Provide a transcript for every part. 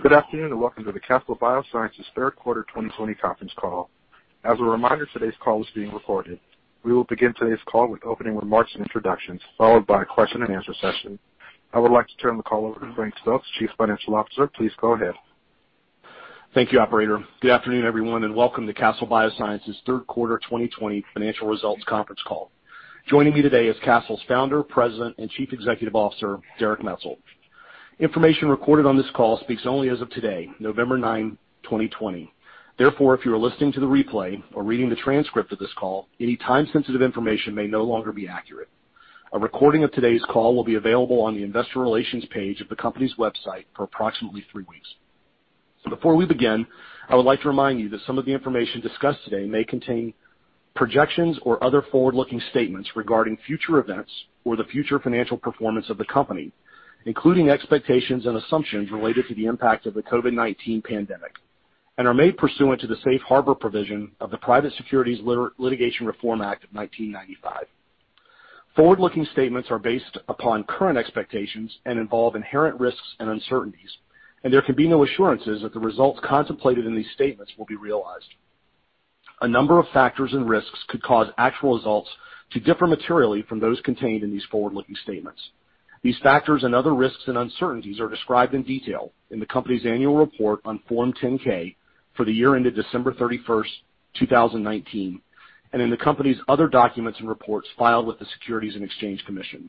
Good afternoon and welcome to the Castle Biosciences third quarter 2020 conference call. As a reminder, today's call is being recorded. We will begin today's call with opening remarks and introductions, followed by a question-and-answer session. I would like to turn the call over to Frank Stokes, Chief Financial Officer. Please go ahead. Thank you, Operator. Good afternoon, everyone, and welcome to Castle Biosciences third quarter 2020 financial results conference call. Joining me today is Castle's Founder, President, and Chief Executive Officer, Derek Maetzold. Information recorded on this call speaks only as of today, November 9, 2020. Therefore, if you are listening to the replay or reading the transcript of this call, any time-sensitive information may no longer be accurate. A recording of today's call will be available on the investor relations page of the company's website for approximately three weeks. Before we begin, I would like to remind you that some of the information discussed today may contain projections or other forward-looking statements regarding future events or the future financial performance of the company, including expectations and assumptions related to the impact of the COVID-19 pandemic, and are made pursuant to the safe harbor provision of the Private Securities Litigation Reform Act of 1995. Forward-looking statements are based upon current expectations and involve inherent risks and uncertainties, and there can be no assurances that the results contemplated in these statements will be realized. A number of factors and risks could cause actual results to differ materially from those contained in these forward-looking statements. These factors and other risks and uncertainties are described in detail in the company's annual report on Form 10-K for the year ended December 31st, 2019, and in the company's other documents and reports filed with the Securities and Exchange Commission.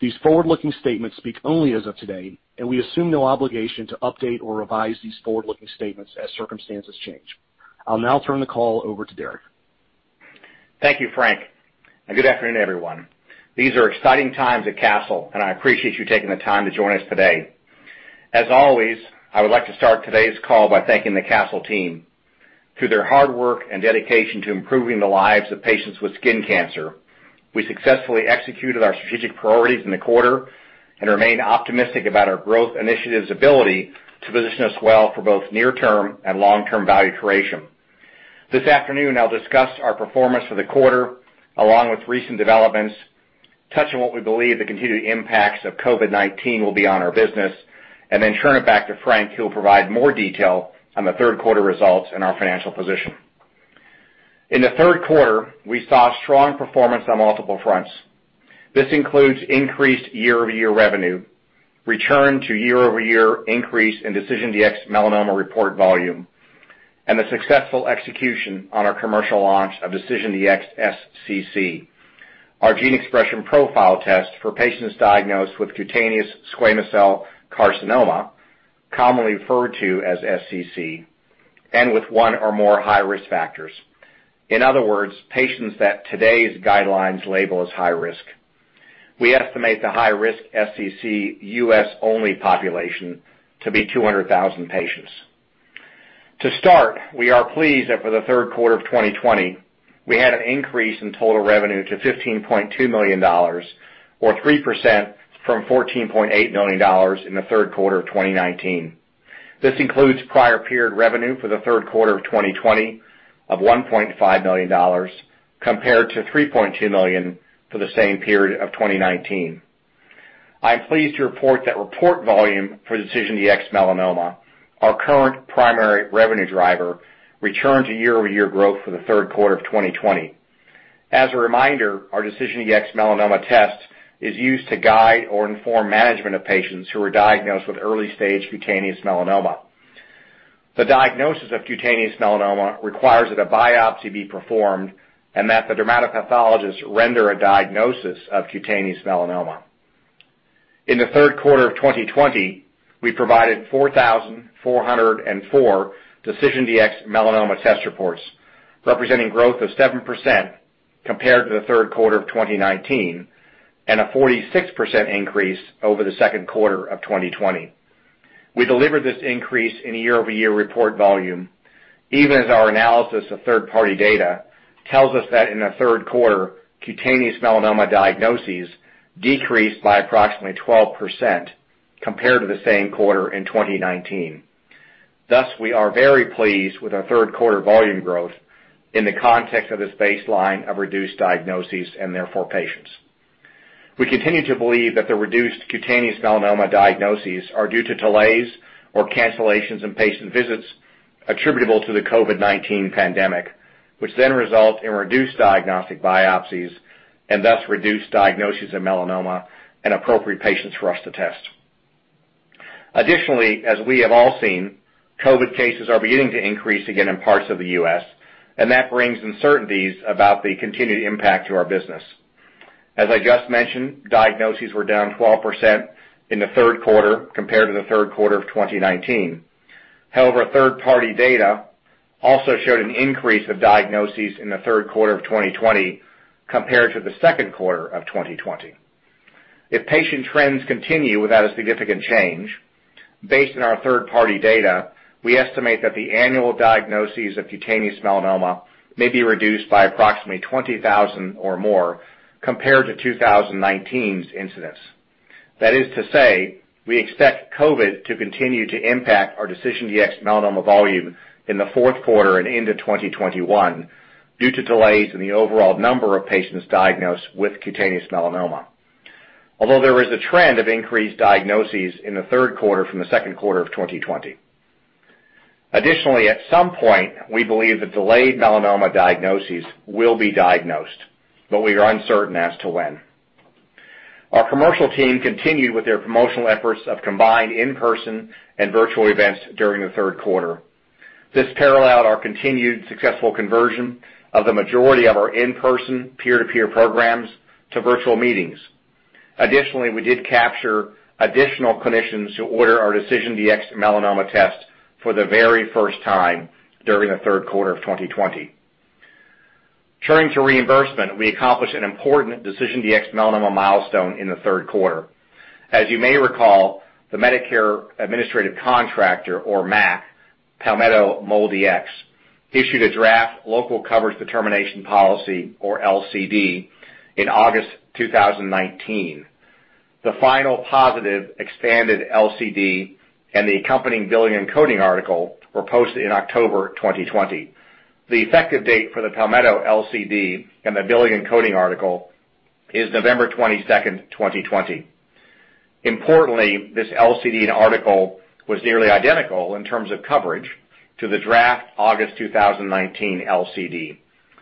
These forward-looking statements speak only as of today, and we assume no obligation to update or revise these forward-looking statements as circumstances change. I'll now turn the call over to Derek. Thank you, Frank. Good afternoon, everyone. These are exciting times at Castle, and I appreciate you taking the time to join us today. As always, I would like to start today's call by thanking the Castle team. Through their hard work and dedication to improving the lives of patients with skin cancer, we successfully executed our strategic priorities in the quarter and remain optimistic about our growth initiative's ability to position us well for both near-term and long-term value creation. This afternoon, I'll discuss our performance for the quarter, along with recent developments, touch on what we believe the continued impacts of COVID-19 will be on our business, and then turn it back to Frank, who will provide more detail on the third-quarter results and our financial position. In the third quarter, we saw strong performance on multiple fronts. This includes increased year-over-year revenue, return to year-over-year increase in DecisionDx-Melanoma report volume, and the successful execution on our commercial launch of DecisionDx-SCC, our gene expression profile test for patients diagnosed with cutaneous squamous cell carcinoma, commonly referred to as SCC, and with one or more high-risk factors. In other words, patients that today's guidelines label as high-risk. We estimate the high-risk SCC U.S.-only population to be 200,000 patients. To start, we are pleased that for the third quarter of 2020, we had an increase in total revenue to $15.2 million, or 3% from $14.8 million in the third quarter of 2019. This includes prior-period revenue for the third quarter of 2020 of $1.5 million, compared to $3.2 million for the same period of 2019. I am pleased to report that report volume for DecisionDx-Melanoma, our current primary revenue driver, returned to year-over-year growth for the third quarter of 2020. As a reminder, our DecisionDx-Melanoma test is used to guide or inform management of patients who are diagnosed with early-stage cutaneous melanoma. The diagnosis of cutaneous melanoma requires that a biopsy be performed and that the dermatopathologists render a diagnosis of cutaneous melanoma. In the third quarter of 2020, we provided 4,404 DecisionDx-Melanoma test reports, representing growth of 7% compared to the third quarter of 2019 and a 46% increase over the second quarter of 2020. We delivered this increase in year-over-year report volume, even as our analysis of third-party data tells us that in the third quarter, cutaneous melanoma diagnoses decreased by approximately 12% compared to the same quarter in 2019. Thus, we are very pleased with our third-quarter volume growth in the context of this baseline of reduced diagnoses and therefore patients. We continue to believe that the reduced cutaneous melanoma diagnoses are due to delays or cancellations in patient visits attributable to the COVID-19 pandemic, which then result in reduced diagnostic biopsies and thus reduced diagnoses of melanoma and appropriate patients for us to test. Additionally, as we have all seen, COVID cases are beginning to increase again in parts of the U.S., and that brings uncertainties about the continued impact to our business. As I just mentioned, diagnoses were down 12% in the third quarter compared to the third quarter of 2019. However, third-party data also showed an increase of diagnoses in the third quarter of 2020 compared to the second quarter of 2020. If patient trends continue without a significant change, based on our third-party data, we estimate that the annual diagnoses of cutaneous melanoma may be reduced by approximately 20,000 or more compared to 2019's incidence. That is to say, we expect COVID to continue to impact our DecisionDx-Melanoma volume in the fourth quarter and into 2021 due to delays in the overall number of patients diagnosed with cutaneous melanoma, although there is a trend of increased diagnoses in the third quarter from the second quarter of 2020. Additionally, at some point, we believe that delayed melanoma diagnoses will be diagnosed, but we are uncertain as to when. Our commercial team continued with their promotional efforts of combined in-person and virtual events during the third quarter. This paralleled our continued successful conversion of the majority of our in-person peer-to-peer programs to virtual meetings. Additionally, we did capture additional clinicians who ordered our DecisionDx-Melanoma test for the very first time during the third quarter of 2020. Turning to reimbursement, we accomplished an important DecisionDx-Melanoma milestone in the third quarter. As you may recall, the Medicare Administrative Contractor, or MAC, Palmetto MolDX, issued a draft Local Coverage Determination Policy, or LCD, in August 2019. The final positive expanded LCD and the accompanying billing and coding article were posted in October 2020. The effective date for the Palmetto LCD and the billing and coding article is November 22nd, 2020. Importantly, this LCD and article was nearly identical in terms of coverage to the draft August 2019 LCD,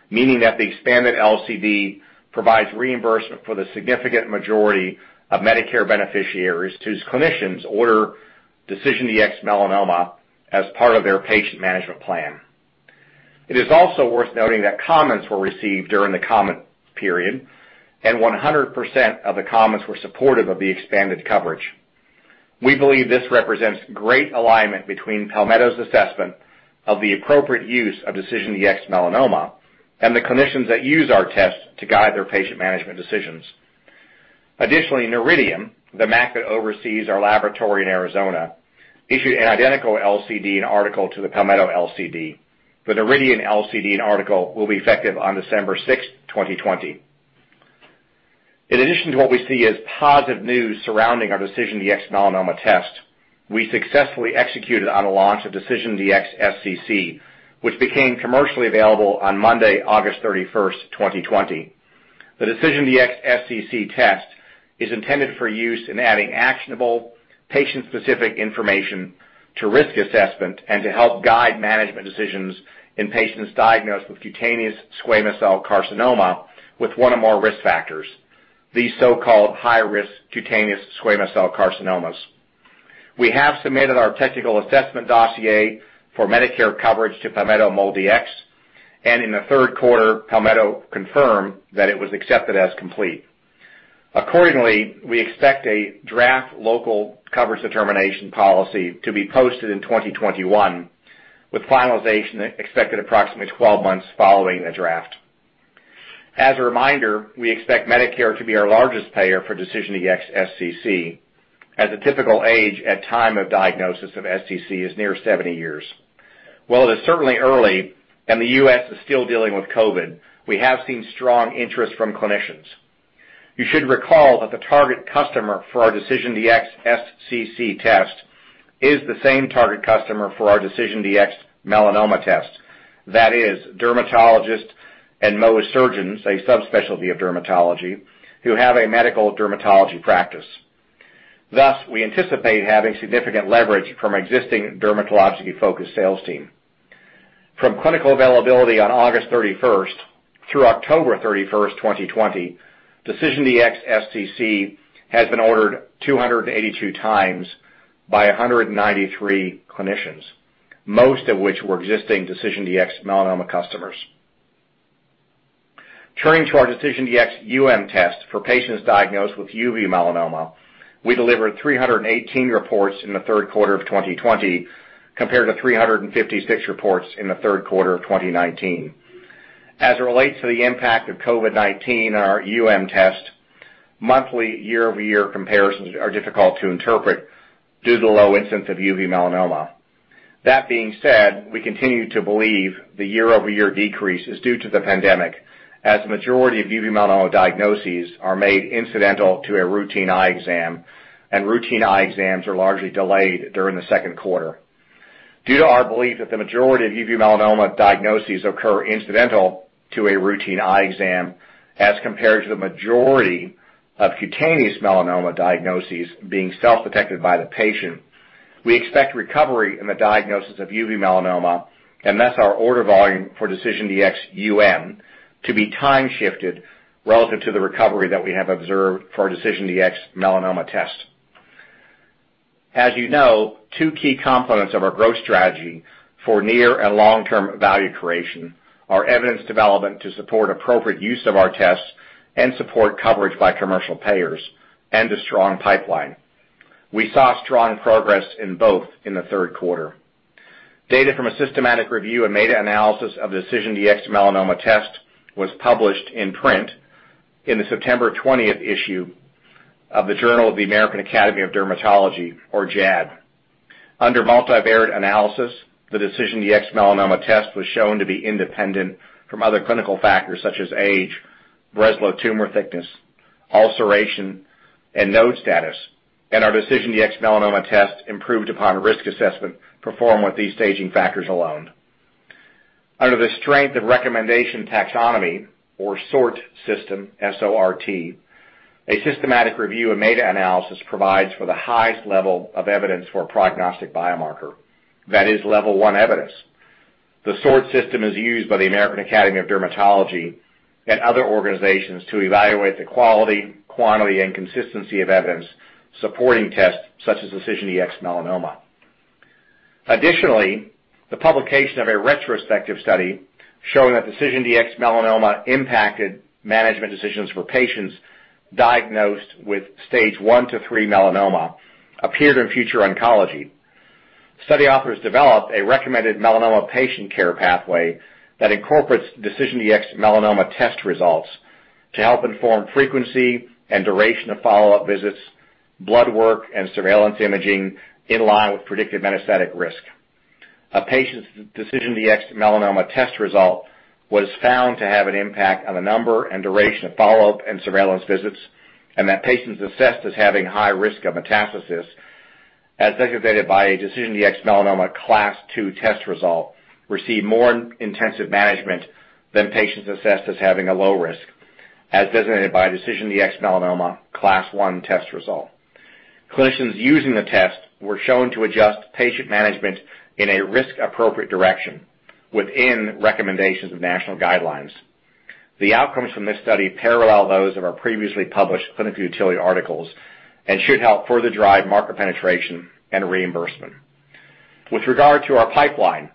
meaning that the expanded LCD provides reimbursement for the significant majority of Medicare beneficiaries whose clinicians order DecisionDx-Melanoma as part of their patient management plan. It is also worth noting that comments were received during the comment period, and 100% of the comments were supportive of the expanded coverage. We believe this represents great alignment between Palmetto's assessment of the appropriate use of DecisionDx-Melanoma and the clinicians that use our test to guide their patient management decisions. Additionally, Noridian, the MAC that oversees our laboratory in Arizona, issued an identical LCD and article to the Palmetto LCD. The Noridian LCD and article will be effective on December 6, 2020. In addition to what we see as positive news surrounding our DecisionDx-Melanoma test, we successfully executed on the launch of DecisionDx-SCC, which became commercially available on Monday, August 31st, 2020. The DecisionDx-SCC test is intended for use in adding actionable patient-specific information to risk assessment and to help guide management decisions in patients diagnosed with cutaneous squamous cell carcinoma with one or more risk factors, these so-called high-risk cutaneous squamous cell carcinomas. We have submitted our technical assessment dossier for Medicare coverage to Palmetto MolDX, and in the third quarter, Palmetto confirmed that it was accepted as complete. Accordingly, we expect a draft Local Coverage Determination Policy to be posted in 2021, with finalization expected approximately 12 months following the draft. As a reminder, we expect Medicare to be our largest payer for DecisionDx-SCC, as the typical age at time of diagnosis of SCC is near 70 years. While it is certainly early and the U.S. is still dealing with COVID, we have seen strong interest from clinicians. You should recall that the target customer for our DecisionDx-SCC test is the same target customer for our DecisionDx-Melanoma test. That is, dermatologists and Mohs surgeons, a subspecialty of dermatology, who have a medical dermatology practice. Thus, we anticipate having significant leverage from our existing dermatology-focused sales team. From clinical availability on August 31st through October 31st, 2020, DecisionDx-SCC has been ordered 282 times by 193 clinicians, most of which were existing DecisionDx-Melanoma customers. Turning to our DecisionDx-UM test for patients diagnosed with UV melanoma, we delivered 318 reports in the third quarter of 2020 compared to 356 reports in the third quarter of 2019. As it relates to the impact of COVID-19 on our test, monthly year-over-year comparisons are difficult to interpret due to the low incidence of UV melanoma. That being said, we continue to believe the year-over-year decrease is due to the pandemic, as the majority of UV melanoma diagnoses are made incidental to a routine eye exam, and routine eye exams are largely delayed during the second quarter. Due to our belief that the majority of UV melanoma diagnoses occur incidental to a routine eye exam, as compared to the majority of cutaneous melanoma diagnoses being self-detected by the patient, we expect recovery in the diagnosis of UV melanoma, and thus our order volume for DecisionDx-UM to be time-shifted relative to the recovery that we have observed for our DecisionDx-Melanoma test. As you know, two key components of our growth strategy for near and long-term value creation are evidence development to support appropriate use of our tests and support coverage by commercial payers and a strong pipeline. We saw strong progress in both in the third quarter. Data from a systematic review and meta-analysis of the DecisionDx-Melanoma test was published in print in the September 2020 issue of the Journal of the American Academy of Dermatology, or JAAD. Under multivariate analysis, the DecisionDx-Melanoma test was shown to be independent from other clinical factors such as age, Breslow tumor thickness, ulceration, and node status, and our DecisionDx-Melanoma test improved upon risk assessment performed with these staging factors alone. Under the Strength of Recommendation Taxonomy, or SORT system, S-O-R-T, a systematic review and meta-analysis provides for the highest level of evidence for a prognostic biomarker. That is, level one evidence. The SORT system is used by the American Academy of Dermatology and other organizations to evaluate the quality, quantity, and consistency of evidence supporting tests such as DecisionDx-Melanoma. Additionally, the publication of a retrospective study showing that DecisionDx-Melanoma impacted management decisions for patients diagnosed with stage I to III melanoma appeared in Future Oncology. Study authors developed a recommended melanoma patient care pathway that incorporates DecisionDx-Melanoma test results to help inform frequency and duration of follow-up visits, blood work, and surveillance imaging in line with predicted metastatic risk. A patient's DecisionDx-Melanoma test result was found to have an impact on the number and duration of follow-up and surveillance visits and that patients assessed as having high risk of metastasis, as designated by a DecisionDx-Melanoma class II test result, received more intensive management than patients assessed as having a low risk, as designated by a DecisionDx-Melanoma class I test result. Clinicians using the test were shown to adjust patient management in a risk-appropriate direction within recommendations of national guidelines. The outcomes from this study parallel those of our previously published clinical utility articles and should help further drive market penetration and reimbursement. With regard to our pipeline,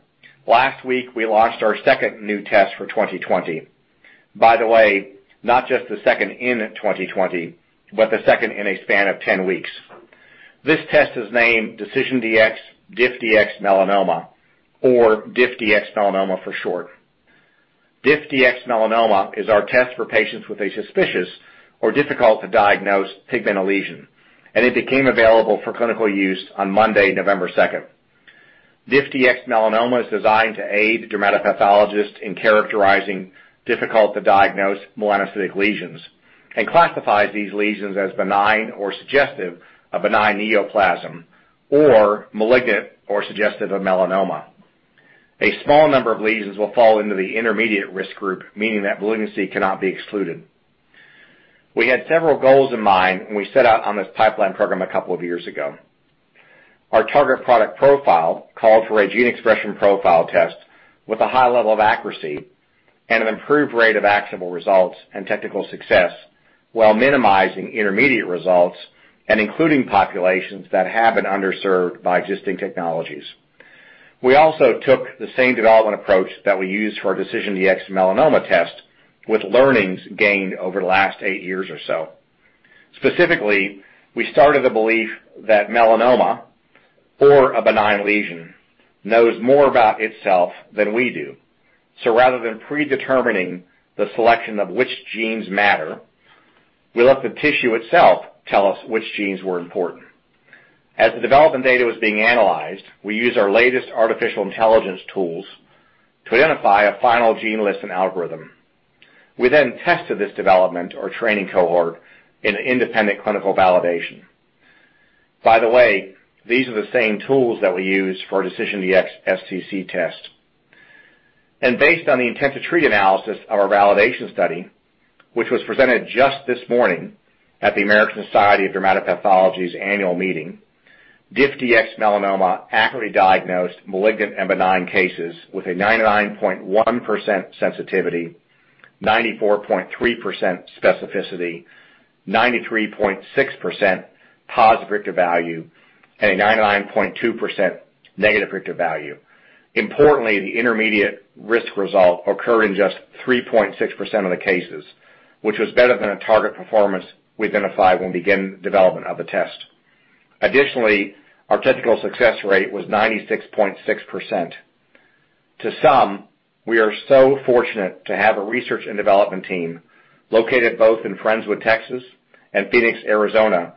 last week we launched our second new test for 2020. By the way, not just the second in 2020, but the second in a span of 10 weeks. This test is named DecisionDx DifDx-Melanoma, or DifDx-Melanoma for short. DifDx-Melanoma is our test for patients with a suspicious or difficult-to-diagnose pigmental lesion, and it became available for clinical use on Monday, November 2nd. DifDx-Melanoma is designed to aid dermatopathologists in characterizing difficult-to-diagnose melanocytic lesions and classifies these lesions as benign or suggestive of benign neoplasm or malignant or suggestive of melanoma. A small number of lesions will fall into the intermediate risk group, meaning that malignancy cannot be excluded. We had several goals in mind when we set out on this pipeline program a couple of years ago. Our target product profile called for a gene expression profile test with a high level of accuracy and an improved rate of actionable results and technical success while minimizing intermediate results and including populations that have been underserved by existing technologies. We also took the same development approach that we used for our DecisionDx-Melanoma test with learnings gained over the last eight years or so. Specifically, we started the belief that melanoma, or a benign lesion, knows more about itself than we do. So rather than predetermining the selection of which genes matter, we let the tissue itself tell us which genes were important. As the development data was being analyzed, we used our latest artificial intelligence tools to identify a final gene list and algorithm. We then tested this development or training cohort in an independent clinical validation. By the way, these are the same tools that we used for our DecisionDx-SCC test. Based on the intent to treat analysis of our validation study, which was presented just this morning at the American Society of Dermatopathology's annual meeting, DifDx-Melanoma accurately diagnosed malignant and benign cases with a 99.1% sensitivity, 94.3% specificity, 93.6% positive predictive value, and a 99.2% negative predictive value. Importantly, the intermediate risk result occurred in just 3.6% of the cases, which was better than a target performance we identified when we began the development of the test. Additionally, our technical success rate was 96.6%. To some, we are so fortunate to have a research and development team located both in Friendswood, Texas, and Phoenix, Arizona,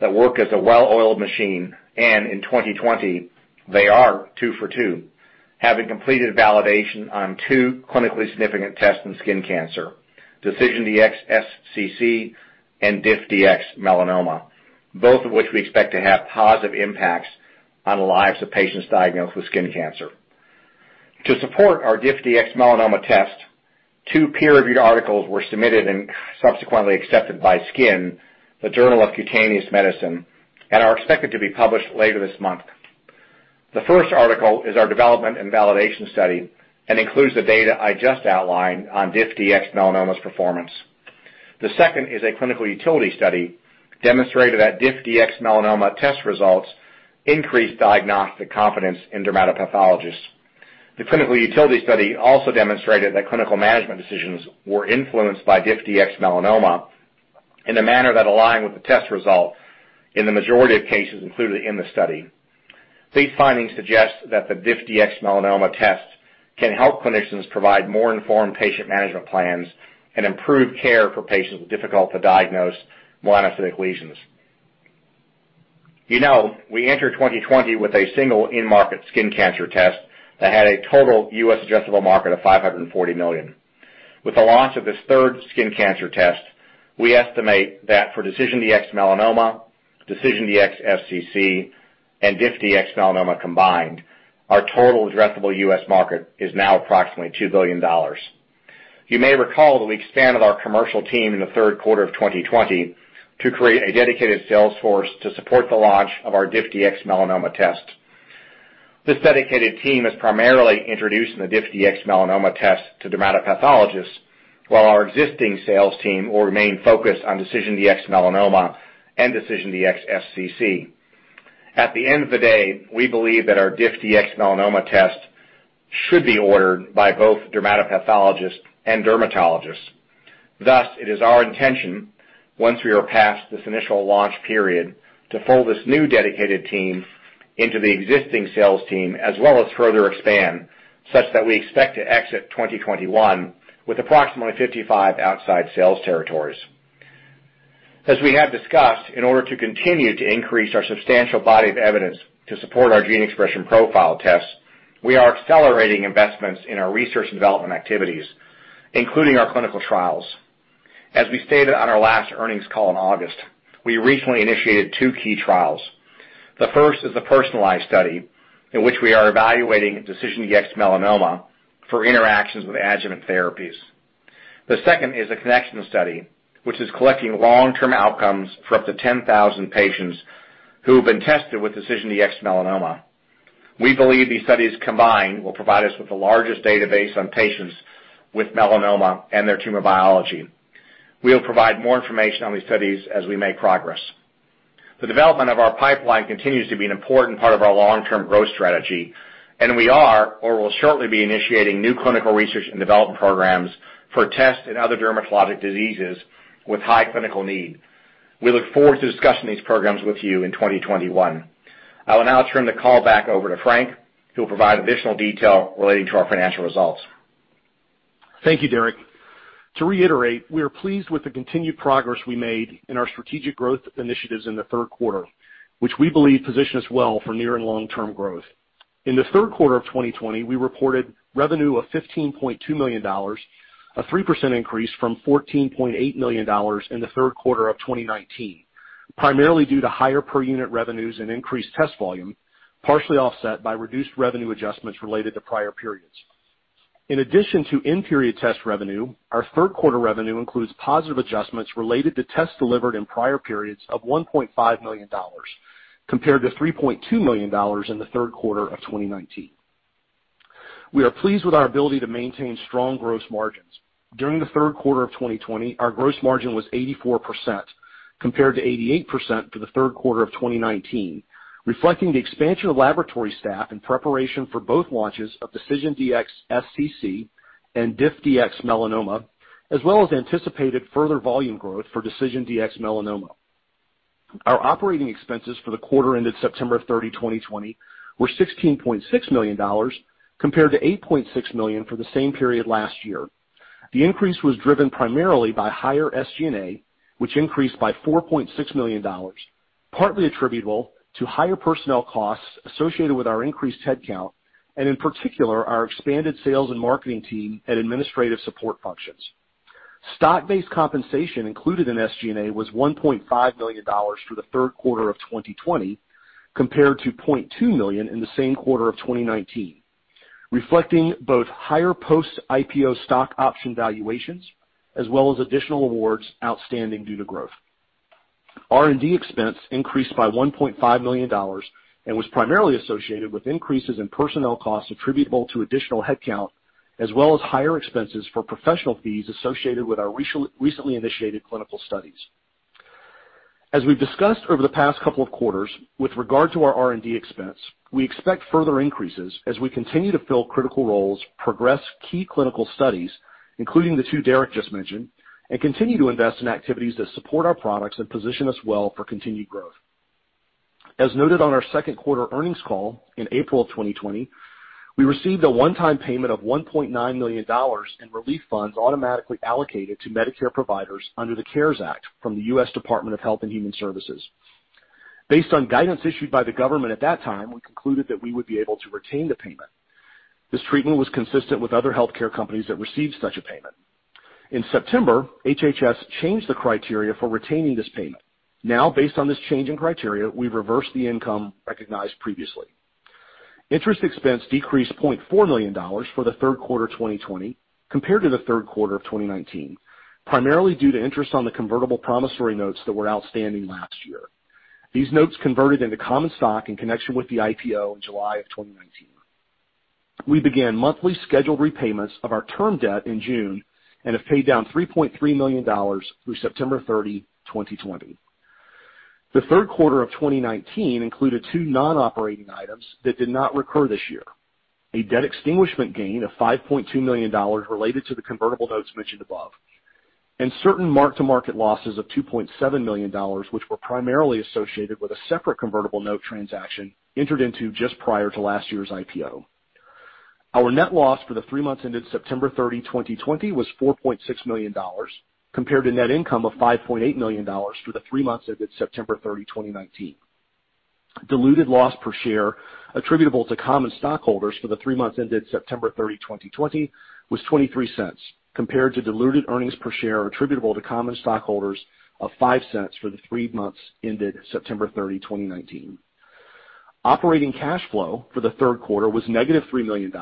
that work as a well-oiled machine, and in 2020, they are two for two, having completed validation on two clinically significant tests in skin cancer, DecisionDx-SCC and DifDx-Melanoma, both of which we expect to have positive impacts on the lives of patients diagnosed with skin cancer. To support our DifDx-Melanoma test, two peer-reviewed articles were submitted and subsequently accepted by Skin, the Journal of Cutaneous Medicine, and are expected to be published later this month. The first article is our development and validation study and includes the data I just outlined on DifDx-Melanoma's performance. The second is a clinical utility study demonstrating that DifDx-Melanoma test results increased diagnostic confidence in dermatopathologists. The clinical utility study also demonstrated that clinical management decisions were influenced by DifDx-Melanoma in a manner that aligned with the test result in the majority of cases included in the study. These findings suggest that the DifDx-Melanoma test can help clinicians provide more informed patient management plans and improve care for patients with difficult-to-diagnose melanocytic lesions. You know, we entered 2020 with a single in-market skin cancer test that had a total U.S. addressable market of $540 million. With the launch of this third skin cancer test, we estimate that for DecisionDx-Melanoma, DecisionDx-SCC, and DifDx-Melanoma combined, our total addressable U.S. market is now approximately $2 billion. You may recall that we expanded our commercial team in the third quarter of 2020 to create a dedicated sales force to support the launch of our DifDx-Melanoma test. This dedicated team is primarily introduced in the DifDx-Melanoma test to dermatopathologists, while our existing sales team will remain focused on DecisionDx-Melanoma and DecisionDx-SCC. At the end of the day, we believe that our DifDx-Melanoma test should be ordered by both dermatopathologists and dermatologists. Thus, it is our intention, once we are past this initial launch period, to fold this new dedicated team into the existing sales team as well as further expand, such that we expect to exit 2021 with approximately 55 outside sales territories. As we have discussed, in order to continue to increase our substantial body of evidence to support our gene expression profile tests, we are accelerating investments in our research and development activities, including our clinical trials. As we stated on our last earnings call in August, we recently initiated two key trials. The first is the personalized study in which we are evaluating DecisionDx-Melanoma for interactions with adjuvant therapies. The second is a connection study, which is collecting long-term outcomes for up to 10,000 patients who have been tested with DecisionDx-Melanoma. We believe these studies combined will provide us with the largest database on patients with melanoma and their tumor biology. We will provide more information on these studies as we make progress. The development of our pipeline continues to be an important part of our long-term growth strategy, and we are or will shortly be initiating new clinical research and development programs for tests in other dermatologic diseases with high clinical need. We look forward to discussing these programs with you in 2021. I will now turn the call back over to Frank, who will provide additional detail relating to our financial results. Thank you, Derek. To reiterate, we are pleased with the continued progress we made in our strategic growth initiatives in the third quarter, which we believe position us well for near and long-term growth. In the third quarter of 2020, we reported revenue of $15.2 million, a 3% increase from $14.8 million in the third quarter of 2019, primarily due to higher per-unit revenues and increased test volume, partially offset by reduced revenue adjustments related to prior periods. In addition to in-period test revenue, our third quarter revenue includes positive adjustments related to tests delivered in prior periods of $1.5 million compared to $3.2 million in the third quarter of 2019. We are pleased with our ability to maintain strong gross margins. During the third quarter of 2020, our gross margin was 84% compared to 88% for the third quarter of 2019, reflecting the expansion of laboratory staff in preparation for both launches of DecisionDx-SCC and DifDx-Melanoma, as well as anticipated further volume growth for DecisionDx-Melanoma. Our operating expenses for the quarter ended September 30, 2020, were $16.6 million compared to $8.6 million for the same period last year. The increase was driven primarily by higher SG&A, which increased by $4.6 million, partly attributable to higher personnel costs associated with our increased headcount and, in particular, our expanded sales and marketing team and administrative support functions. Stock-based compensation included in SG&A was $1.5 million for the third quarter of 2020 compared to $0.2 million in the same quarter of 2019, reflecting both higher post-IPO stock option valuations as well as additional awards outstanding due to growth. R&D expense increased by $1.5 million and was primarily associated with increases in personnel costs attributable to additional headcount as well as higher expenses for professional fees associated with our recently initiated clinical studies. As we've discussed over the past couple of quarters, with regard to our R&D expense, we expect further increases as we continue to fill critical roles, progress key clinical studies, including the two Derek just mentioned, and continue to invest in activities that support our products and position us well for continued growth. As noted on our second quarter earnings call in April of 2020, we received a one-time payment of $1.9 million in relief funds automatically allocated to Medicare providers under the CARES Act from the U.S. Department of Health and Human Services. Based on guidance issued by the government at that time, we concluded that we would be able to retain the payment. This treatment was consistent with other healthcare companies that received such a payment. In September, HHS changed the criteria for retaining this payment. Now, based on this change in criteria, we reversed the income recognized previously. Interest expense decreased $0.4 million for the third quarter of 2020 compared to the third quarter of 2019, primarily due to interest on the convertible promissory notes that were outstanding last year. These notes converted into common stock in connection with the IPO in July of 2019. We began monthly scheduled repayments of our term debt in June and have paid down $3.3 million through September 30, 2020. The third quarter of 2019 included two non-operating items that did not recur this year: a debt extinguishment gain of $5.2 million related to the convertible notes mentioned above, and certain mark-to-market losses of $2.7 million, which were primarily associated with a separate convertible note transaction entered into just prior to last year's IPO. Our net loss for the three months ended September 30, 2020, was $4.6 million compared to net income of $5.8 million for the three months ended September 30, 2019. Diluted loss per share attributable to common stockholders for the three months ended September 30, 2020, was $0.23 compared to diluted earnings per share attributable to common stockholders of $0.05 for the three months ended September 30, 2019. Operating cash flow for the third quarter was negative $3 million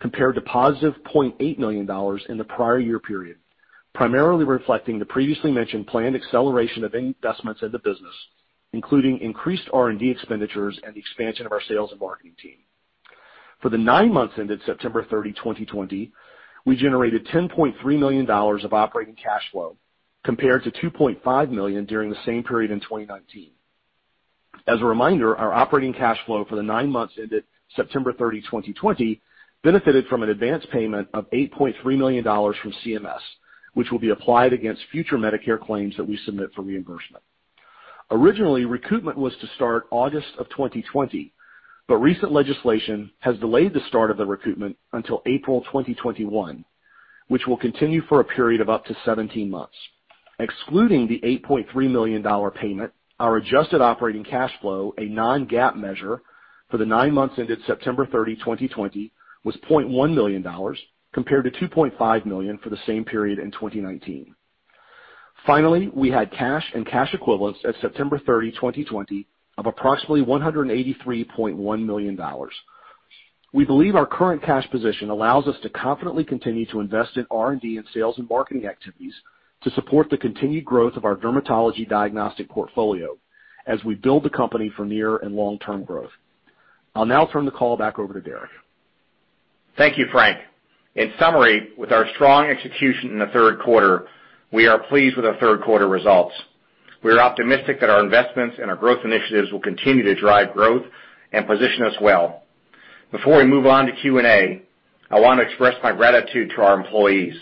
compared to positive $0.8 million in the prior year period, primarily reflecting the previously mentioned planned acceleration of investments in the business, including increased R&D expenditures and the expansion of our sales and marketing team. For the nine months ended September 30, 2020, we generated $10.3 million of operating cash flow compared to $2.5 million during the same period in 2019. As a reminder, our operating cash flow for the nine months ended September 30, 2020, benefited from an advance payment of $8.3 million from CMS, which will be applied against future Medicare claims that we submit for reimbursement. Originally, recruitment was to start August of 2020, but recent legislation has delayed the start of the recruitment until April 2021, which will continue for a period of up to 17 months. Excluding the $8.3 million payment, our adjusted operating cash flow, a non-GAAP measure for the nine months ended September 30, 2020, was $0.1 million compared to $2.5 million for the same period in 2019. Finally, we had cash and cash equivalents at September 30, 2020, of approximately $183.1 million. We believe our current cash position allows us to confidently continue to invest in R&D and sales and marketing activities to support the continued growth of our dermatology diagnostic portfolio as we build the company for near and long-term growth. I'll now turn the call back over to Derek. Thank you, Frank. In summary, with our strong execution in the third quarter, we are pleased with our third quarter results. We are optimistic that our investments and our growth initiatives will continue to drive growth and position us well. Before we move on to Q&A, I want to express my gratitude to our employees.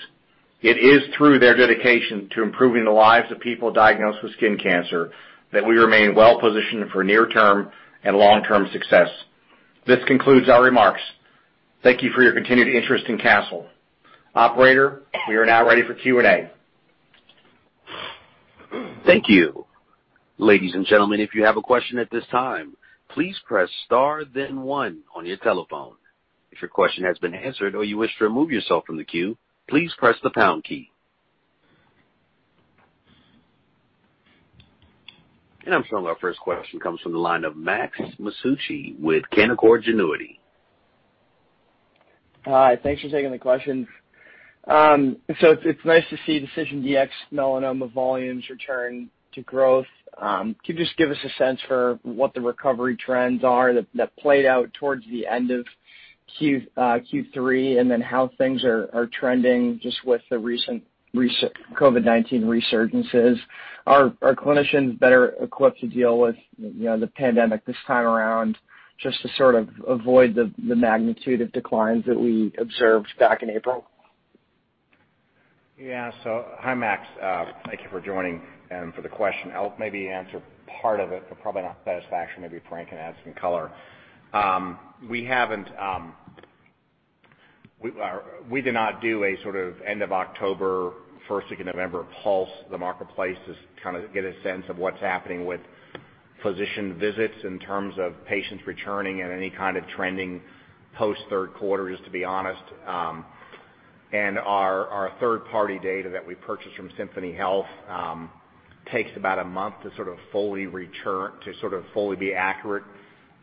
It is through their dedication to improving the lives of people diagnosed with skin cancer that we remain well-positioned for near-term and long-term success. This concludes our remarks. Thank you for your continued interest in Castle. Operator, we are now ready for Q&A. Thank you. Ladies and gentlemen, if you have a question at this time, please press star, then one on your telephone. If your question has been answered or you wish to remove yourself from the queue, please press the pound key. I'm showing our first question comes from the line of Max Masucci with Canaccord Genuity. Hi. Thanks for taking the question. It's nice to see DecisionDx-Melanoma volumes return to growth. Can you just give us a sense for what the recovery trends are that played out towards the end of Q3 and then how things are trending just with the recent COVID-19 resurgences? Are clinicians better equipped to deal with the pandemic this time around just to sort of avoid the magnitude of declines that we observed back in April? Yeah. Hi, Max. Thank you for joining and for the question. I'll maybe answer part of it, but probably not satisfactory. Maybe Frank can add some color. We did not do a sort of end of October, first week of November pulse the marketplace to kind of get a sense of what's happening with physician visits in terms of patients returning and any kind of trending post-third quarter, just to be honest. Our third-party data that we purchased from Symphony Health takes about a month to sort of fully be accurate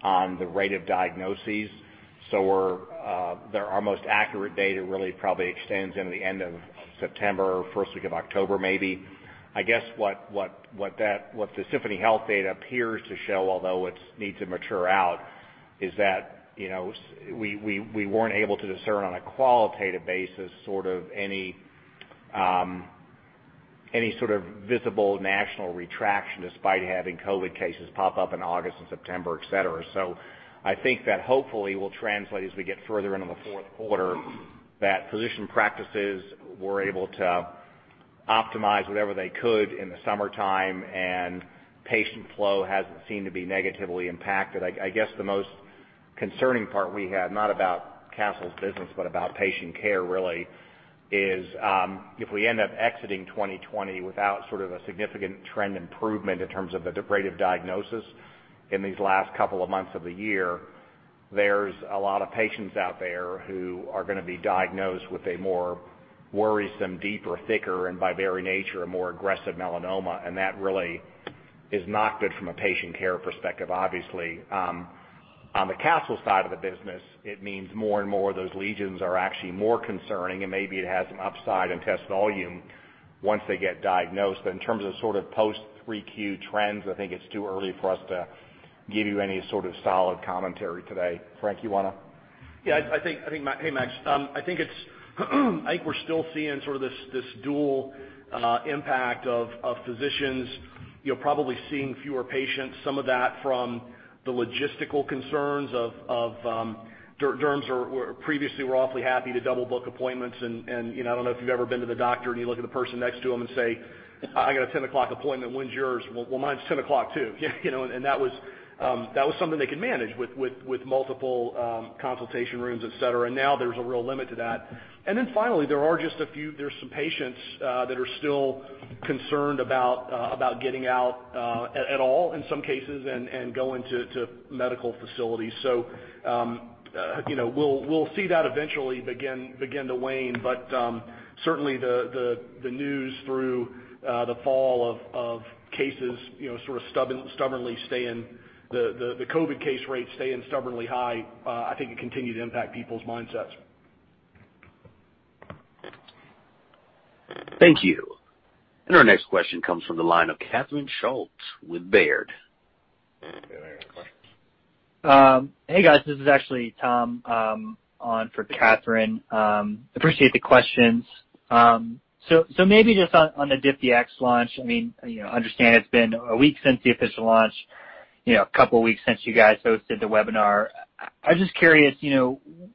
on the rate of diagnoses. Our most accurate data really probably extends into the end of September, first week of October maybe. I guess what the Symphony Health data appears to show, although it needs to mature out, is that we were not able to discern on a qualitative basis sort of any sort of visible national retraction despite having COVID cases pop up in August and September, etc. I think that hopefully will translate as we get further into the fourth quarter that physician practices were able to optimize whatever they could in the summertime, and patient flow has not seemed to be negatively impacted. I guess the most concerning part we have, not about Castle's business but about patient care really, is if we end up exiting 2020 without sort of a significant trend improvement in terms of the rate of diagnosis in these last couple of months of the year, there's a lot of patients out there who are going to be diagnosed with a more worrisome, deeper, thicker, and by very nature a more aggressive melanoma. That really is not good from a patient care perspective, obviously. On the Castle side of the business, it means more and more those lesions are actually more concerning, and maybe it has some upside in test volume once they get diagnosed. In terms of sort of post-3Q trends, I think it's too early for us to give you any sort of solid commentary today. Frank, you want to? Yeah. Hey, Max. I think we're still seeing sort of this dual impact of physicians probably seeing fewer patients, some of that from the logistical concerns of derms were previously roughly happy to double-book appointments. I don't know if you've ever been to the doctor and you look at the person next to them and say, "I got a 10:00 A.M. appointment. When's yours?" "Mine's 10:00 A.M. too." That was something they could manage with multiple consultation rooms, etc. Now there's a real limit to that. Finally, there are just a few, there's some patients that are still concerned about getting out at all in some cases and going to medical facilities. We will see that eventually begin to wane. Certainly, the news through the fall of cases, sort of stubbornly staying, the COVID case rate staying stubbornly high, I think it continued to impact people's mindsets. Thank you. Our next question comes from the line of Catherine Schulte with Baird. Hey, guys. This is actually Tom on for Catherine. Appreciate the questions. Maybe just on the DifDx launch, I mean, I understand it's been a week since the official launch, a couple of weeks since you guys hosted the webinar. I'm just curious,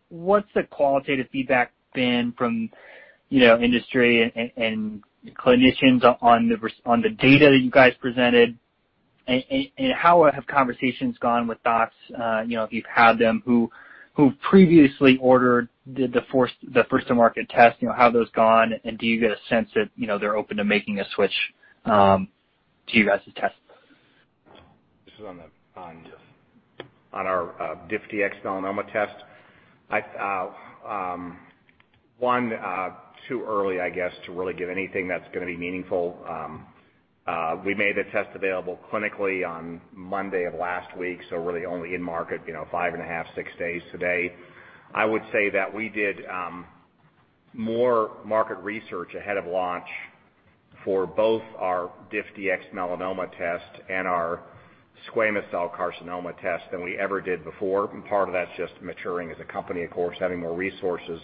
what's the qualitative feedback been from industry and clinicians on the data that you guys presented? How have conversations gone with docs, if you've had them, who previously ordered the first-to-market test? How have those gone? Do you get a sense that they're open to making a switch to you guys' test? This is on our DifDx-Melanoma test. One, too early, I guess, to really give anything that's going to be meaningful. We made the test available clinically on Monday of last week, so really only in-market five and a half, six days today. I would say that we did more market research ahead of launch for both our DifDx-Melanoma test and our squamous cell carcinoma test than we ever did before. Part of that's just maturing as a company, of course, having more resources.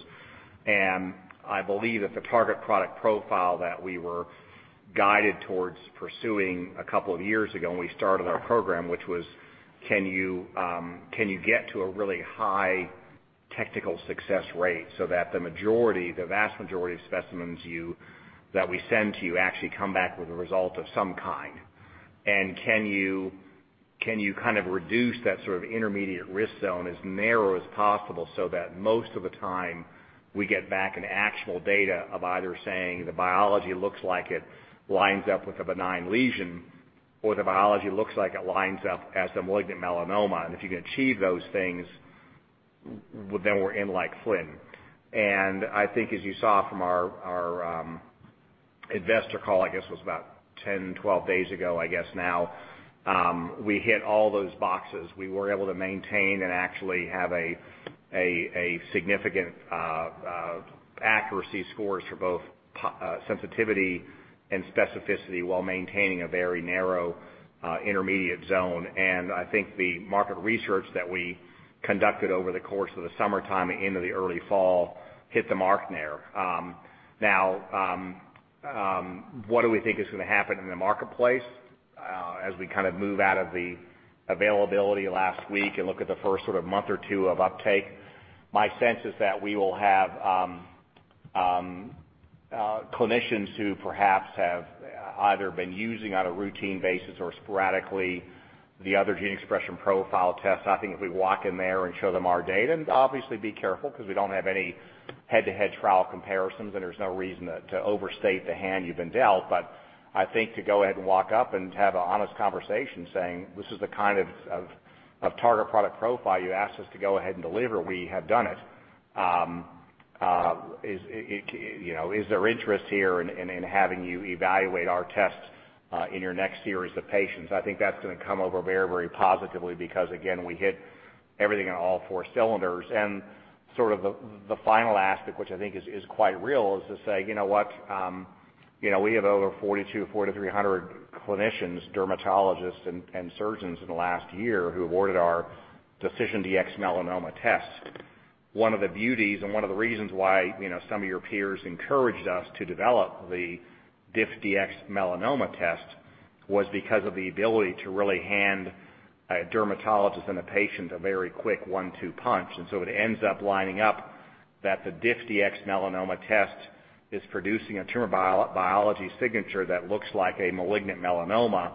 I believe that the target product profile that we were guided towards pursuing a couple of years ago when we started our program, which was, can you get to a really high technical success rate so that the vast majority of specimens that we send to you actually come back with a result of some kind? Can you kind of reduce that sort of intermediate risk zone as narrow as possible so that most of the time we get back an actual data of either saying the biology looks like it lines up with a benign lesion or the biology looks like it lines up as a malignant melanoma? If you can achieve those things, then we're in like Flynn. I think, as you saw from our investor call, I guess it was about 10 to 12 days ago, I guess now, we hit all those boxes. We were able to maintain and actually have significant accuracy scores for both sensitivity and specificity while maintaining a very narrow intermediate zone. I think the market research that we conducted over the course of the summertime into the early fall hit the mark there. Now, what do we think is going to happen in the marketplace as we kind of move out of the availability last week and look at the first sort of month or two of uptake? My sense is that we will have clinicians who perhaps have either been using on a routine basis or sporadically the other gene expression profile tests. I think if we walk in there and show them our data and obviously be careful because we do not have any head-to-head trial comparisons, and there is no reason to overstate the hand you have been dealt. I think to go ahead and walk up and have an honest conversation saying, "This is the kind of target product profile you asked us to go ahead and deliver. We have done it." Is there interest here in having you evaluate our tests in your next series of patients? I think that's going to come over very, very positively because, again, we hit everything on all four cylinders. The final aspect, which I think is quite real, is to say, "You know what? We have over 4,200, 4,300 clinicians, dermatologists, and surgeons in the last year who have ordered our DecisionDx-Melanoma test." One of the beauties and one of the reasons why some of your peers encouraged us to develop the DifDx-Melanoma test was because of the ability to really hand a dermatologist and a patient a very quick one-two punch. It ends up lining up that the DifDx-Melanoma test is producing a tumor biology signature that looks like a malignant melanoma.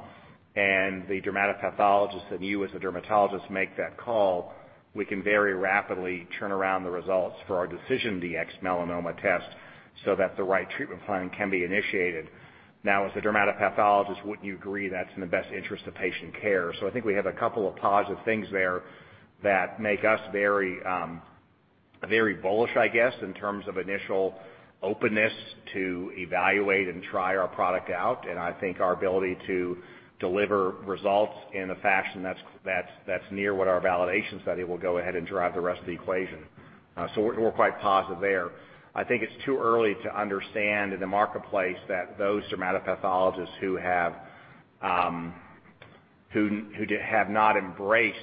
The dermatopathologist that you as a dermatologist make that call, we can very rapidly turn around the results for our DecisionDx-Melanoma test so that the right treatment plan can be initiated. Now, as a dermatopathologist, wouldn't you agree that's in the best interest of patient care? I think we have a couple of positive things there that make us very bullish, I guess, in terms of initial openness to evaluate and try our product out. I think our ability to deliver results in a fashion that's near what our validation study will go ahead and drive the rest of the equation. We're quite positive there. I think it's too early to understand in the marketplace that those dermatopathologists who have not embraced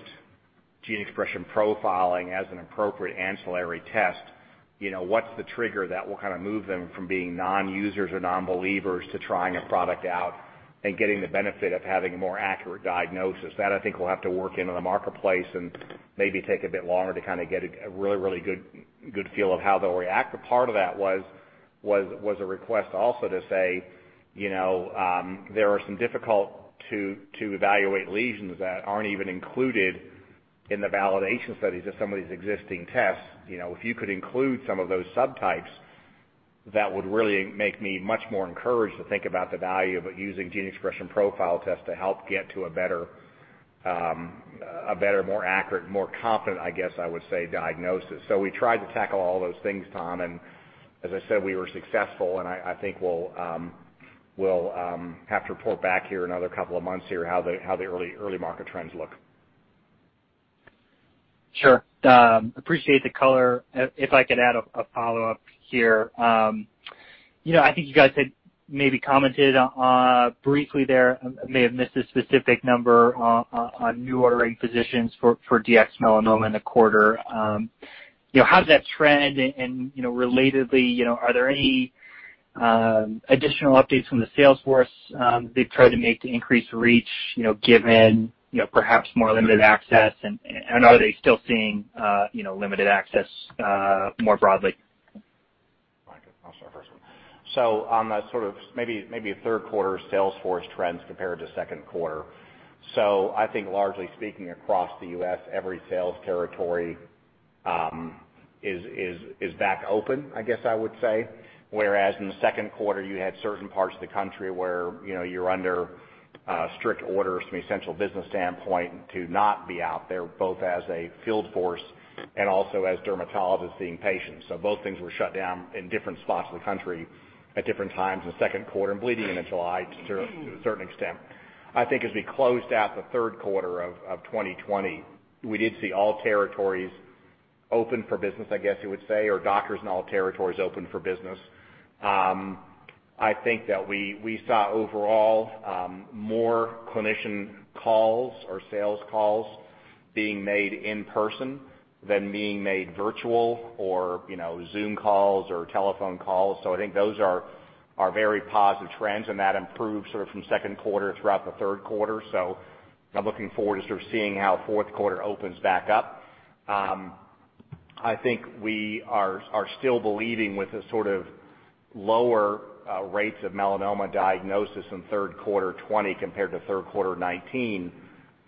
gene expression profiling as an appropriate ancillary test, what's the trigger that will kind of move them from being non-users or non-believers to trying a product out and getting the benefit of having a more accurate diagnosis? That I think will have to work into the marketplace and maybe take a bit longer to kind of get a really, really good feel of how they'll react. Part of that was a request also to say there are some difficult-to-evaluate lesions that aren't even included in the validation studies of some of these existing tests. If you could include some of those subtypes, that would really make me much more encouraged to think about the value of using gene expression profile tests to help get to a better, more accurate, more confident, I guess I would say, diagnosis. We tried to tackle all those things, Tom. As I said, we were successful. I think we'll have to report back here in another couple of months how the early market trends look. Sure. Appreciate the color. If I could add a follow-up here. I think you guys had maybe commented briefly there. I may have missed a specific number on new ordering physicians for Dx-Melanoma in the quarter. How's that trend? Relatedly, are there any additional updates from the Salesforce? They've tried to make the increased reach given perhaps more limited access. Are they still seeing limited access more broadly? I'll start first. On the sort of maybe third quarter Salesforce trends compared to second quarter, I think largely speaking across the U.S., every sales territory is back open, I guess I would say. Whereas in the second quarter, you had certain parts of the country where you were under strict orders from an essential business standpoint to not be out there, both as a field force and also as dermatologists seeing patients. Both things were shut down in different spots of the country at different times in the second quarter and bleeding into July to a certain extent. I think as we closed out the third quarter of 2020, we did see all territories open for business, I guess you would say, or doctors in all territories open for business. I think that we saw overall more clinician calls or sales calls being made in person than being made virtual or Zoom calls or telephone calls. I think those are very positive trends. That improved sort of from second quarter throughout the third quarter. I am looking forward to sort of seeing how fourth quarter opens back up. I think we are still believing with the sort of lower rates of melanoma diagnosis in third quarter 2020 compared to third quarter 2019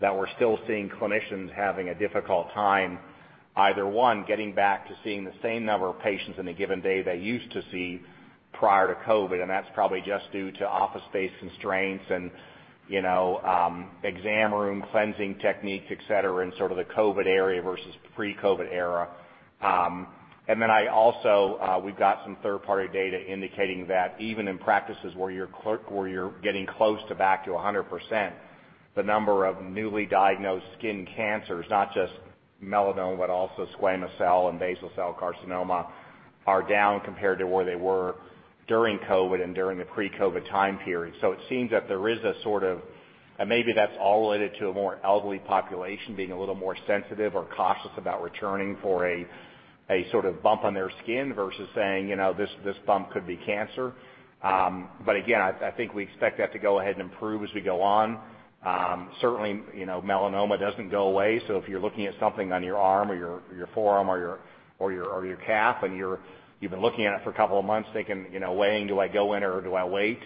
that we are still seeing clinicians having a difficult time, either one, getting back to seeing the same number of patients in a given day they used to see prior to COVID. That is probably just due to office-based constraints and exam room cleansing techniques, etc., in sort of the COVID area versus pre-COVID era. I also, we've got some third-party data indicating that even in practices where you're getting close to back to 100%, the number of newly diagnosed skin cancers, not just melanoma, but also squamous cell and basal cell carcinoma, are down compared to where they were during COVID and during the pre-COVID time period. It seems that there is a sort of, and maybe that's all related to a more elderly population being a little more sensitive or cautious about returning for a sort of bump on their skin versus saying, "This bump could be cancer." Again, I think we expect that to go ahead and improve as we go on. Certainly, melanoma doesn't go away. If you're looking at something on your arm or your forearm or your calf and you've been looking at it for a couple of months thinking, "When do I go in or do I wait?"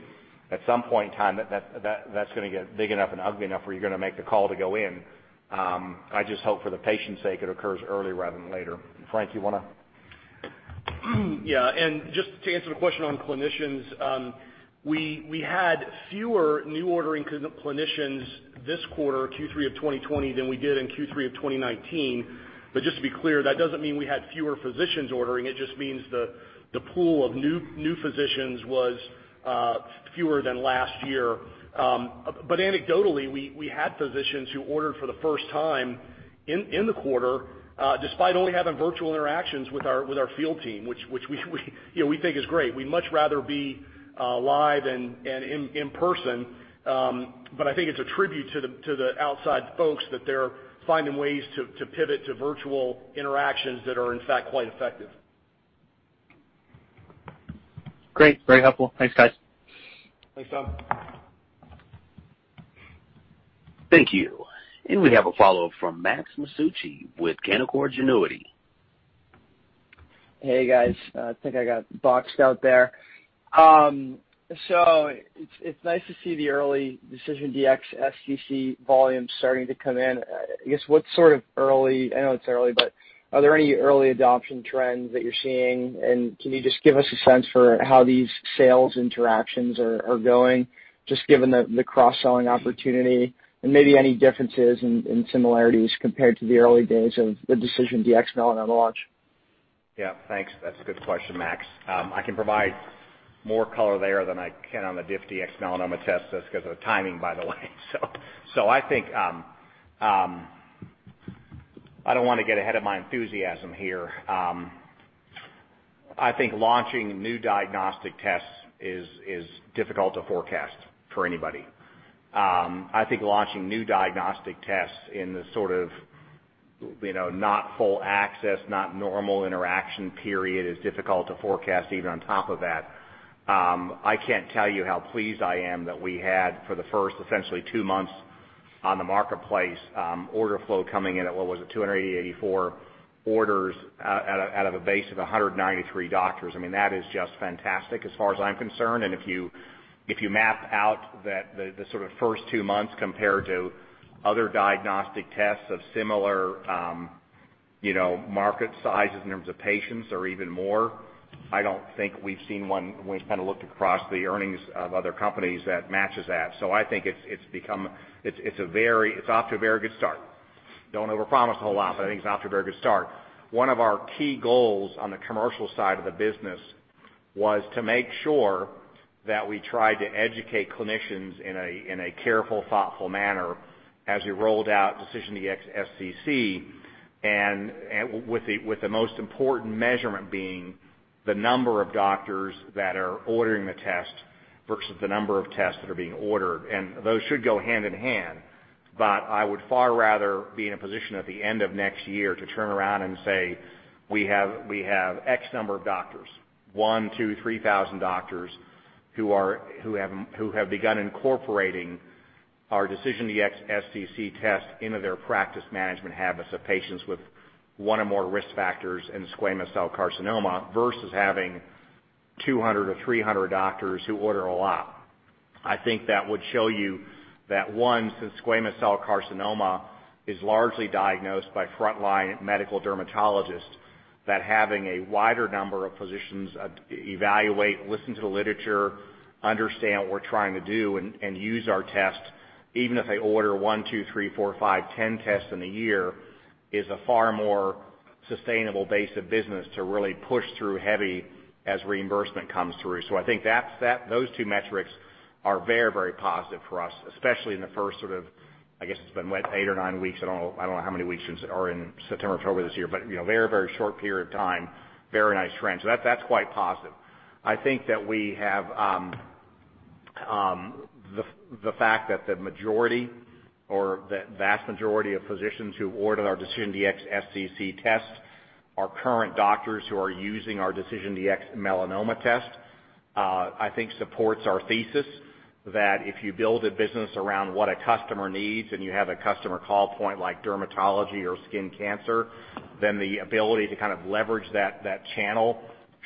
At some point in time, that's going to get big enough and ugly enough where you're going to make the call to go in. I just hope for the patient's sake it occurs early rather than later. Frank, you want to? Yeah. Just to answer the question on clinicians, we had fewer new ordering clinicians this quarter, Q3 of 2020, than we did in Q3 of 2019. Just to be clear, that doesn't mean we had fewer physicians ordering. It just means the pool of new physicians was fewer than last year. But anecdotally, we had physicians who ordered for the first time in the quarter despite only having virtual interactions with our field team, which we think is great. We'd much rather be live and in person. I think it's a tribute to the outside folks that they're finding ways to pivot to virtual interactions that are, in fact, quite effective. Great. Very helpful. Thanks, guys. Thanks, Tom. Thank you. We have a follow-up from Max Masucci with Canaccord Genuity. Hey, guys. I think I got boxed out there. It's nice to see the early DecisionDx-SCC volume starting to come in. I guess what sort of early, I know it's early, but are there any early adoption trends that you're seeing? Can you just give us a sense for how these sales interactions are going, just given the cross-selling opportunity and maybe any differences and similarities compared to the early days of the DecisionDx-Melanoma launch? Yeah. Thanks. That's a good question, Max. I can provide more color there than I can on the DifDx-Melanoma test just because of the timing, by the way. I think I don't want to get ahead of my enthusiasm here. I think launching new diagnostic tests is difficult to forecast for anybody. I think launching new diagnostic tests in the sort of not full access, not normal interaction period is difficult to forecast even on top of that. I can't tell you how pleased I am that we had for the first, essentially, two months on the marketplace order flow coming in at, what was it, 280, 84 orders out of a base of 193 doctors. I mean, that is just fantastic as far as I'm concerned. If you map out the sort of first two months compared to other diagnostic tests of similar market sizes in terms of patients or even more, I don't think we've seen one when we kind of looked across the earnings of other companies that matches that. I think it's off to a very good start. Don't overpromise a whole lot, but I think it's off to a very good start. One of our key goals on the commercial side of the business was to make sure that we tried to educate clinicians in a careful, thoughtful manner as we rolled out DecisionDx-SCC, with the most important measurement being the number of doctors that are ordering the test versus the number of tests that are being ordered. Those should go hand in hand. I would far rather be in a position at the end of next year to turn around and say, "We have X number of doctors, 1,000, 2,000, 3,000 doctors who have begun incorporating our DecisionDx-SCC test into their practice management habits of patients with one or more risk factors in squamous cell carcinoma versus having 200 or 300 doctors who order a lot." I think that would show you that, one, since squamous cell carcinoma is largely diagnosed by frontline medical dermatologists, having a wider number of physicians evaluate, listen to the literature, understand what we're trying to do, and use our test, even if they order one, two, three, four, five, 10 tests in a year, is a far more sustainable base of business to really push through heavy as reimbursement comes through. I think those two metrics are very, very positive for us, especially in the first sort of, I guess it's been what, eight or nine weeks? I don't know how many weeks are in September, October this year, but very, very short period of time, very nice trend. That's quite positive. I think that we have the fact that the majority or the vast majority of physicians who ordered our DecisionDx-SCC test are current doctors who are using our DecisionDx-Melanoma test. I think supports our thesis that if you build a business around what a customer needs and you have a customer call point like dermatology or skin cancer, then the ability to kind of leverage that channel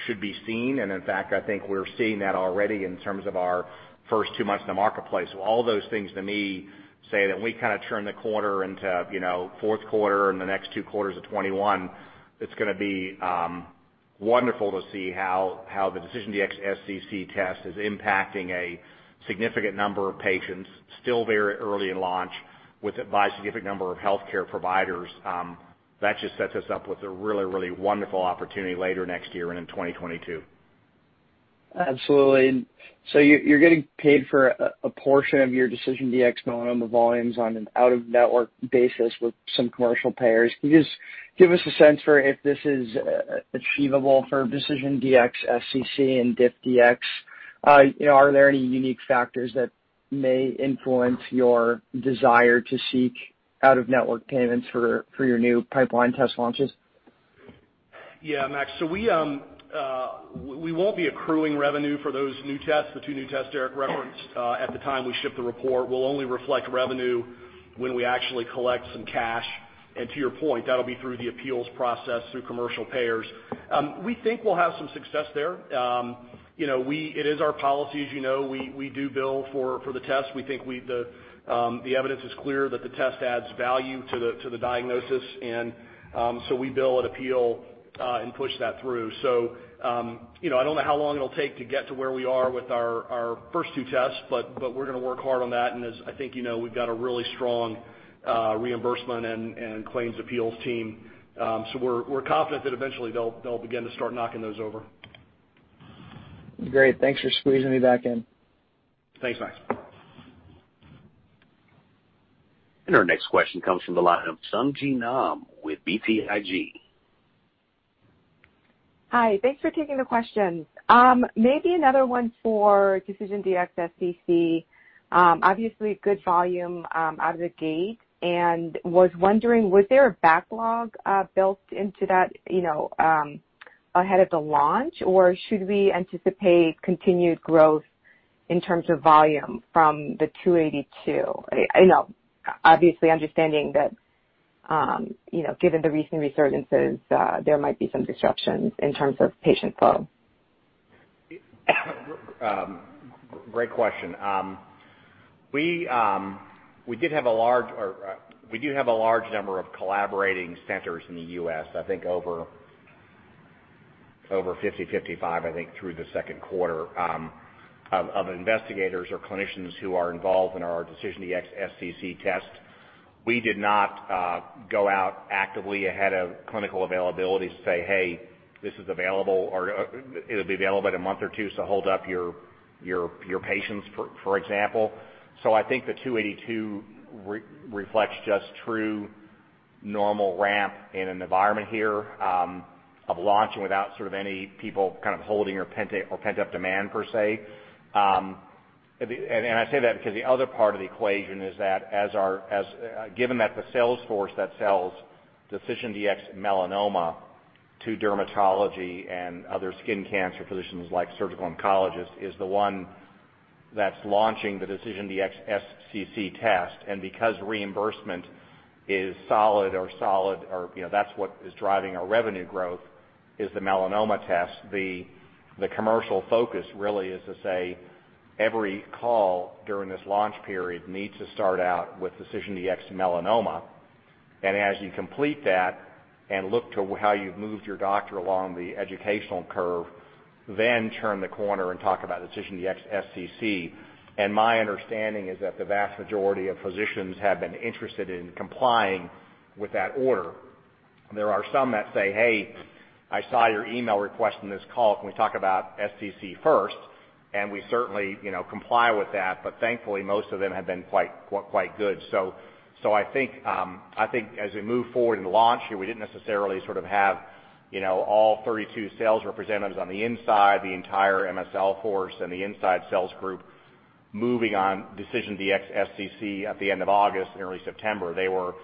should be seen. In fact, I think we're seeing that already in terms of our first two months in the marketplace. All those things to me say that when we kind of turn the quarter into fourth quarter and the next two quarters of 2021, it's going to be wonderful to see how the DecisionDx-SCC test is impacting a significant number of patients, still very early in launch with a by significant number of healthcare providers. That just sets us up with a really, really wonderful opportunity later next year and in 2022. Absolutely. You're getting paid for a portion of your DecisionDx-Melanoma volumes on an out-of-network basis with some commercial payers. Can you just give us a sense for if this is achievable for DecisionDx-SCC and DifDx? Are there any unique factors that may influence your desire to seek out-of-network payments for your new pipeline test launches? Yeah, Max. We won't be accruing revenue for those new tests, the two new tests Derek referenced. At the time we ship the report, we'll only reflect revenue when we actually collect some cash. To your point, that'll be through the appeals process through commercial payers. We think we'll have some success there. It is our policy, as you know. We do bill for the test. We think the evidence is clear that the test adds value to the diagnosis. We bill at appeal and push that through. I don't know how long it'll take to get to where we are with our first two tests, but we're going to work hard on that. As I think you know, we've got a really strong reimbursement and claims appeals team. We're confident that eventually they'll begin to start knocking those over. Great. Thanks for squeezing me back in. Thanks, Max. Our next question comes from the line of Sung Ji Nam with BTIG. Hi. Thanks for taking the question. Maybe another one for DecisionDx-SCC. Obviously, good volume out of the gate. I was wondering, was there a backlog built into that ahead of the launch? Or should we anticipate continued growth in terms of volume from the 282? Obviously, understanding that given the recent resurgences, there might be some disruptions in terms of patient flow. Great question. We did have a large or we do have a large number of collaborating centers in the U.S., I think over 50, 55, I think, through the second quarter of investigators or clinicians who are involved in our DecisionDx-SCC test. We did not go out actively ahead of clinical availability to say, "Hey, this is available," or, "It'll be available in a month or two to hold up your patients," for example. I think the 282 reflects just true normal ramp in an environment here of launching without sort of any people kind of holding or pent-up demand per se. I say that because the other part of the equation is that given that the sales force that sells DecisionDx-Melanoma to dermatology and other skin cancer physicians like surgical oncologists is the one that's launching the DecisionDx-SCC test. Because reimbursement is solid or solid, or that's what is driving our revenue growth, is the melanoma test, the commercial focus really is to say every call during this launch period needs to start out with DecisionDx-Melanoma. As you complete that and look to how you've moved your doctor along the educational curve, turn the corner and talk about DecisionDx-SCC. My understanding is that the vast majority of physicians have been interested in complying with that order. There are some that say, "Hey, I saw your email request in this call. Can we talk about SCC first?" We certainly comply with that. Thankfully, most of them have been quite good. I think as we move forward in the launch here, we didn't necessarily sort of have all 32 sales representatives on the inside, the entire MSL force, and the inside sales group moving on DecisionDx-SCC at the end of August and early September. They were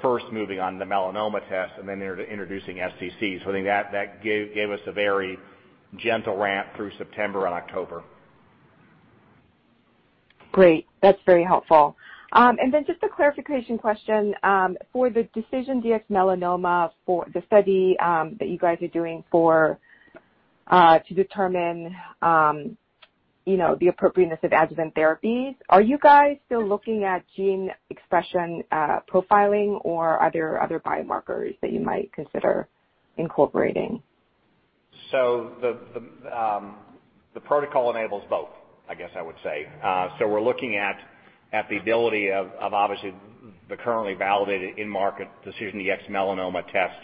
first moving on the melanoma test and then introducing SCC. I think that gave us a very gentle ramp through September and October. Great. That's very helpful. Then just a clarification question. For the DecisionDx-Melanoma, the study that you guys are doing to determine the appropriateness of adjuvant therapies, are you guys still looking at gene expression profiling or are there other biomarkers that you might consider incorporating? The protocol enables both, I guess I would say. We're looking at the ability of obviously the currently validated in-market DecisionDx-Melanoma test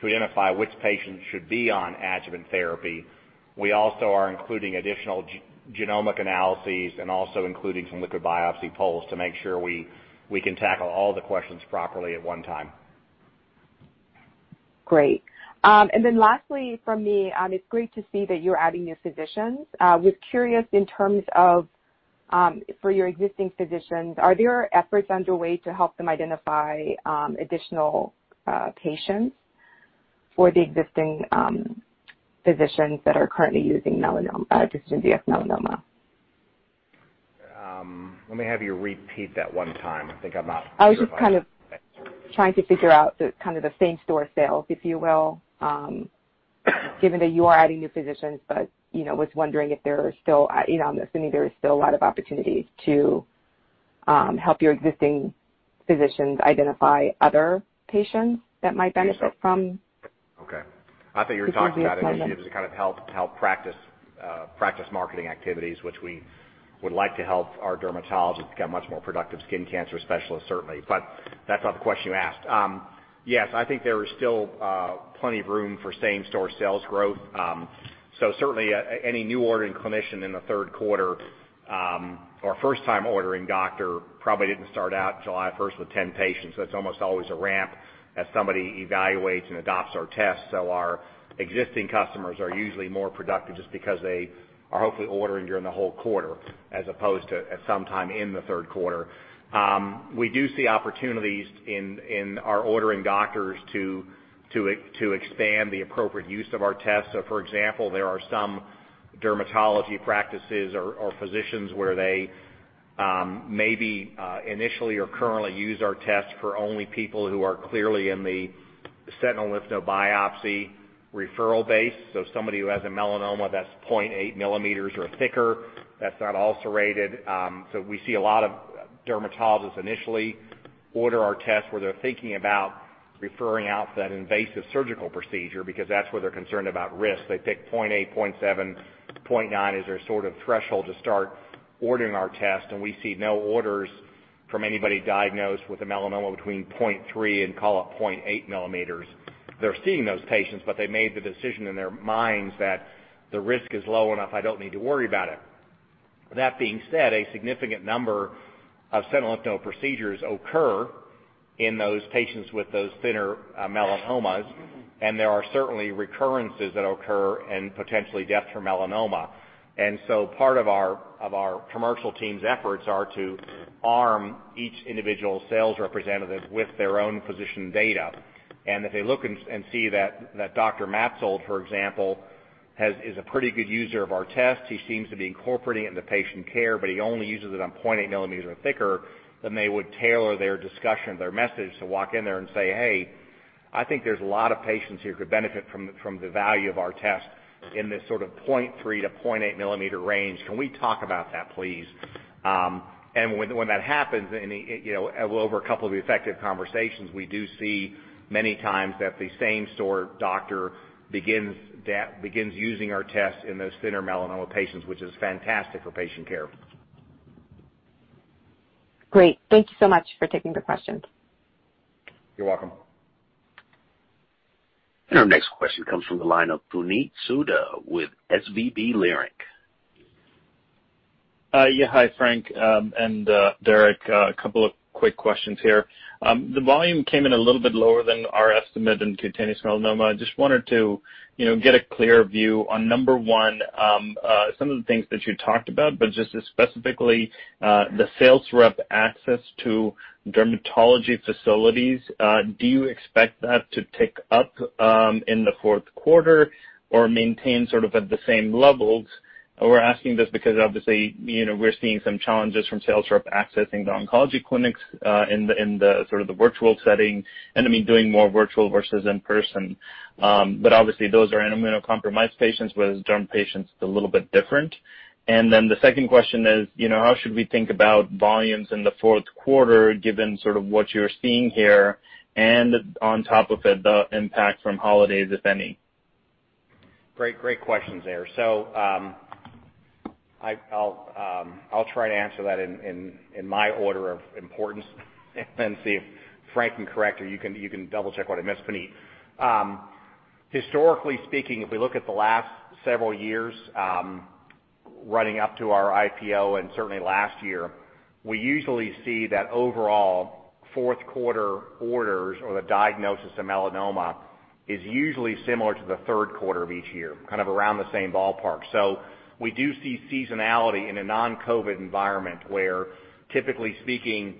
to identify which patients should be on adjuvant therapy. We also are including additional genomic analyses and also including some liquid biopsy polls to make sure we can tackle all the questions properly at one time. Great. Lastly from me, it's great to see that you're adding new physicians. We're curious in terms of for your existing physicians, are there efforts underway to help them identify additional patients for the existing physicians that are currently using DecisionDx-Melanoma? Let me have you repeat that one time. I think I'm not. I was just kind of trying to figure out kind of the same-store sales, if you will, given that you are adding new physicians, but was wondering if there are still, I'm assuming there are still a lot of opportunities to help your existing physicians identify other patients that might benefit from. Okay. I think you're talking about initiatives to kind of help practice marketing activities, which we would like to help our dermatologists become much more productive skin cancer specialists, certainly. That's not the question you asked. Yes, I think there is still plenty of room for same-store sales growth. Certainly, any new-ordering clinician in the third quarter or first-time ordering doctor probably did not start out July 1 with 10 patients. It is almost always a ramp as somebody evaluates and adopts our tests. Our existing customers are usually more productive just because they are hopefully ordering during the whole quarter as opposed to at some time in the third quarter. We do see opportunities in our ordering doctors to expand the appropriate use of our tests. For example, there are some dermatology practices or physicians where they maybe initially or currently use our tests for only people who are clearly in the sentinel lymph node biopsy referral base. Somebody who has a melanoma that is 0.8 mm or thicker, that is not ulcerated. We see a lot of dermatologists initially order our tests where they're thinking about referring out for that invasive surgical procedure because that's where they're concerned about risk. They pick 0.8, 0.7, 0.9 as their sort of threshold to start ordering our tests. We see no orders from anybody diagnosed with a melanoma between 0.3 and call it 0.8 millimeters. They're seeing those patients, but they made the decision in their minds that the risk is low enough, I don't need to worry about it. That being said, a significant number of sentinel lymph node procedures occur in those patients with those thinner melanomas. There are certainly recurrences that occur and potentially deaths from melanoma. Part of our commercial team's efforts are to arm each individual sales representative with their own physician data. If they look and see that Dr. Maetzold, for example, is a pretty good user of our tests, he seems to be incorporating it in the patient care, but he only uses it on 0.8 mm or thicker, then they would tailor their discussion, their message to walk in there and say, "Hey, I think there's a lot of patients here who could benefit from the value of our test in this sort of 0.3 mm-0.8 mm range. Can we talk about that, please?" When that happens, over a couple of effective conversations, we do see many times that the same-store doctor begins using our tests in those thinner melanoma patients, which is fantastic for patient care. Great. Thank you so much for taking the question. You're welcome. Our next question comes from the line of Puneet Souda with SVB Leerink. Yeah, hi, Frank and Derek. A couple of quick questions here. The volume came in a little bit lower than our estimate in cutaneous melanoma. I just wanted to get a clear view on number one, some of the things that you talked about, but just specifically the sales rep access to dermatology facilities. Do you expect that to tick up in the fourth quarter or maintain sort of at the same levels? We're asking this because obviously we're seeing some challenges from sales rep accessing the oncology clinics in the sort of the virtual setting. I mean doing more virtual versus in-person. Obviously, those are immunocompromised patients. With derm patients, it's a little bit different. The second question is, how should we think about volumes in the fourth quarter given sort of what you're seeing here? On top of it, the impact from holidays, if any? Great, great questions there. I'll try to answer that in my order of importance and then see if Frank can correct, or you can double-check what I missed. Puneet, historically speaking, if we look at the last several years running up to our IPO and certainly last year, we usually see that overall fourth-quarter orders or the diagnosis of melanoma is usually similar to the third quarter of each year, kind of around the same ballpark. We do see seasonality in a non-COVID environment where, typically speaking,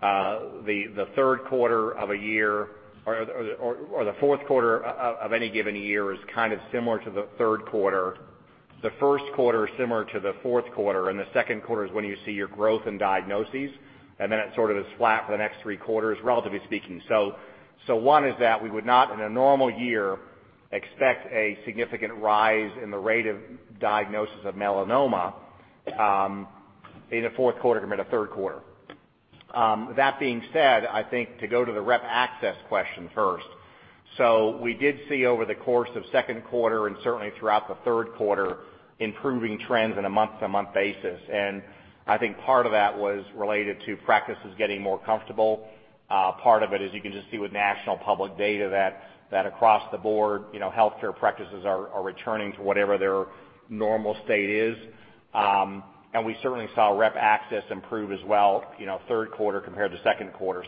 the third quarter of a year or the fourth quarter of any given year is kind of similar to the third quarter. The first quarter is similar to the fourth quarter. The second quarter is when you see your growth and diagnoses. It sort of is flat for the next three quarters, relatively speaking. One is that we would not, in a normal year, expect a significant rise in the rate of diagnosis of melanoma in the fourth quarter compared to third quarter. That being said, I think to go to the rep access question first. We did see over the course of second quarter and certainly throughout the third quarter improving trends on a month-to-month basis. I think part of that was related to practices getting more comfortable. Part of it, as you can just see with national public data, is that across the board, healthcare practices are returning to whatever their normal state is. We certainly saw rep access improve as well third quarter compared to second quarter.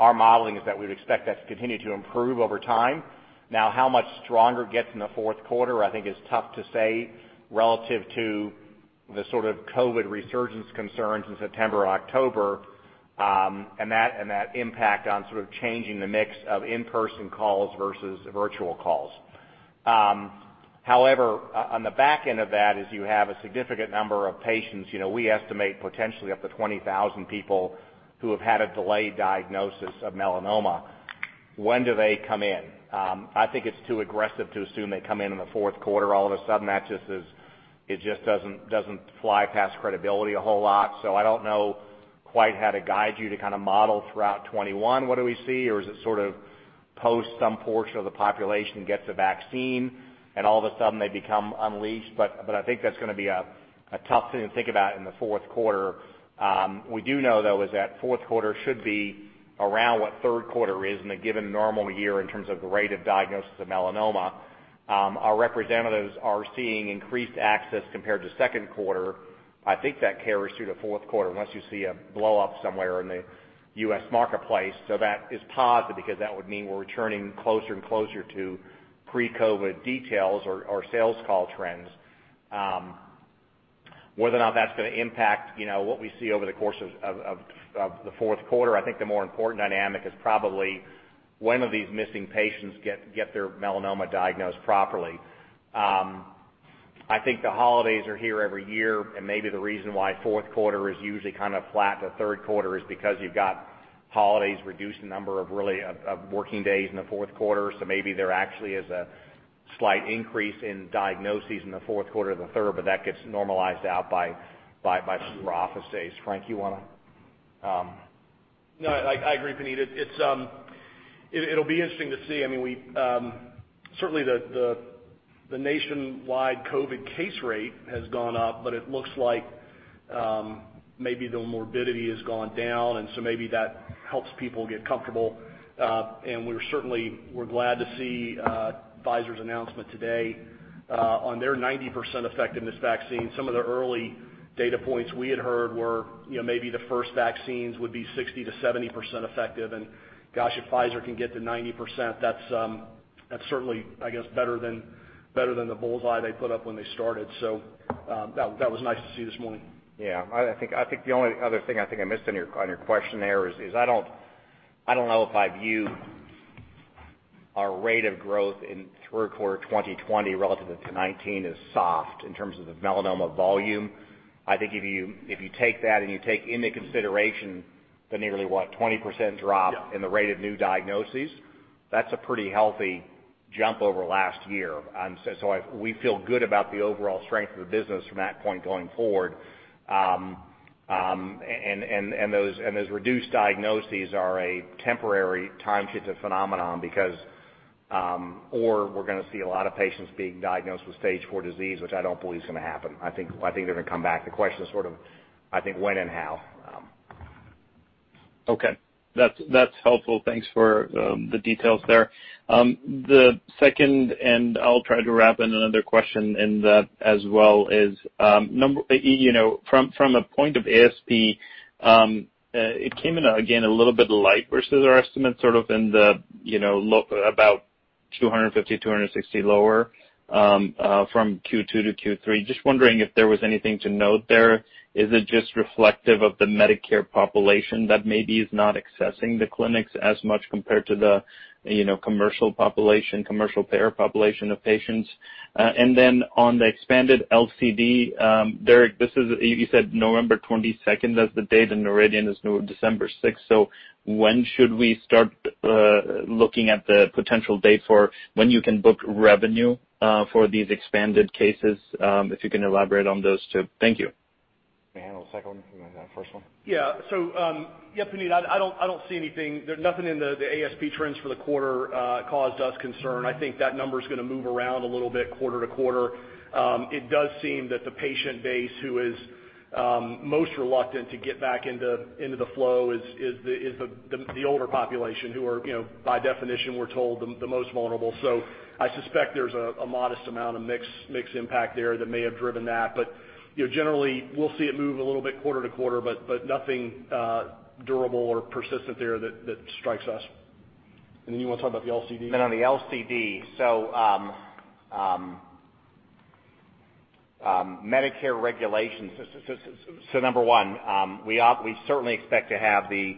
Our modeling is that we would expect that to continue to improve over time. Now, how much stronger it gets in the fourth quarter, I think, is tough to say relative to the sort of COVID resurgence concerns in September and October and that impact on sort of changing the mix of in-person calls versus virtual calls. However, on the back end of that, as you have a significant number of patients, we estimate potentially up to 20,000 people who have had a delayed diagnosis of melanoma. When do they come in? I think it's too aggressive to assume they come in in the fourth quarter. All of a sudden, that just doesn't fly past credibility a whole lot. I don't know quite how to guide you to kind of model throughout 2021, what do we see? Or is it sort of post some portion of the population gets a vaccine and all of a sudden they become unleashed? I think that's going to be a tough thing to think about in the fourth quarter. We do know, though, that fourth quarter should be around what third quarter is in a given normal year in terms of the rate of diagnosis of melanoma. Our representatives are seeing increased access compared to second quarter. I think that carries through to fourth quarter unless you see a blow-up somewhere in the U.S. marketplace. That is positive because that would mean we're returning closer and closer to pre-COVID details or sales call trends. Whether or not that's going to impact what we see over the course of the fourth quarter, I think the more important dynamic is probably when are these missing patients get their melanoma diagnosed properly. I think the holidays are here every year. Maybe the reason why fourth quarter is usually kind of flat to third quarter is because you have holidays reducing the number of working days in the fourth quarter. Maybe there actually is a slight increase in diagnoses in the fourth quarter over the third, but that gets normalized out by super offices. Frank, you want to? No, I agree, Puneet. It'll be interesting to see. I mean, certainly the nationwide COVID case rate has gone up, but it looks like maybe the morbidity has gone down. Maybe that helps people get comfortable. We are certainly glad to see Pfizer's announcement today on their 90% effectiveness vaccine. Some of the early data points we had heard were maybe the first vaccines would be 60%-70% effective. Gosh, if Pfizer can get to 90%, that's certainly, I guess, better than the bullseye they put up when they started. That was nice to see this morning. I think the only other thing I think I missed on your questionnaire is I don't know if I view our rate of growth in third quarter 2020 relative to 2019 as soft in terms of the melanoma volume. I think if you take that and you take into consideration the nearly, what, 20% drop in the rate of new diagnoses, that's a pretty healthy jump over last year. We feel good about the overall strength of the business from that point going forward. Those reduced diagnoses are a temporary time shifted phenomenon because we're going to see a lot of patients being diagnosed with stage IV disease, which I don't believe is going to happen. I think they're going to come back. The question is sort of, I think, when and how. Okay. That's helpful. Thanks for the details there. The second, and I'll try to wrap in another question in that as well, is from a point of ASP, it came in, again, a little bit light versus our estimate, sort of in the about $250-$260 lower from Q2 to Q3. Just wondering if there was anything to note there. Is it just reflective of the Medicare population that maybe is not accessing the clinics as much compared to the commercial population, commercial payer population of patients? Then on the expanded LCD, Derek, you said November 22nd as the date and Noridian is December 6. When should we start looking at the potential date for when you can book revenue for these expanded cases if you can elaborate on those two? Thank you. Can you handle a second one? Can you handle that first one? Yeah. Yeah, Puneet, I don't see anything. Nothing in the ASP trends for the quarter caused us concern. I think that number is going to move around a little bit quarter to quarter. It does seem that the patient base who is most reluctant to get back into the flow is the older population who are, by definition, we're told, the most vulnerable. I suspect there's a modest amount of mixed impact there that may have driven that. Generally, we'll see it move a little bit quarter to quarter, but nothing durable or persistent there that strikes us. You want to talk about the LCD? No, no, the LCD. Medicare regulations. Number one, we certainly expect to have the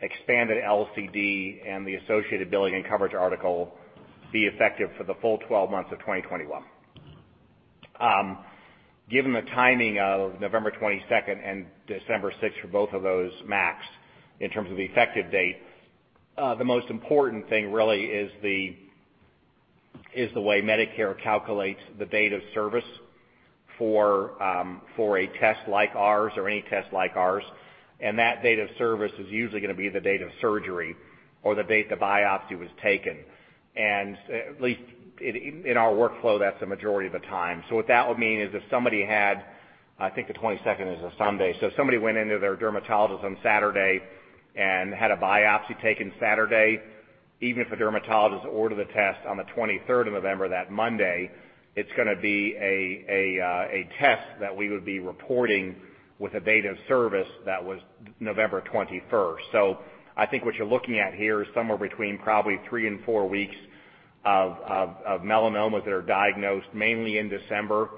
expanded LCD and the associated billing and coverage article be effective for the full 12 months of 2021. Given the timing of November 22nd and December 6 for both of those MACs in terms of the effective date, the most important thing really is the way Medicare calculates the date of service for a test like ours or any test like ours. That date of service is usually going to be the date of surgery or the date the biopsy was taken. At least in our workflow, that's the majority of the time. What that would mean is if somebody had, I think the 22nd is a Sunday, if somebody went into their dermatologist on Saturday and had a biopsy taken Saturday, even if a dermatologist ordered the test on the 23rd of November, that Monday, it's going to be a test that we would be reporting with a date of service that was November 21st. I think what you're looking at here is somewhere between probably three and four weeks of melanomas that are diagnosed mainly in December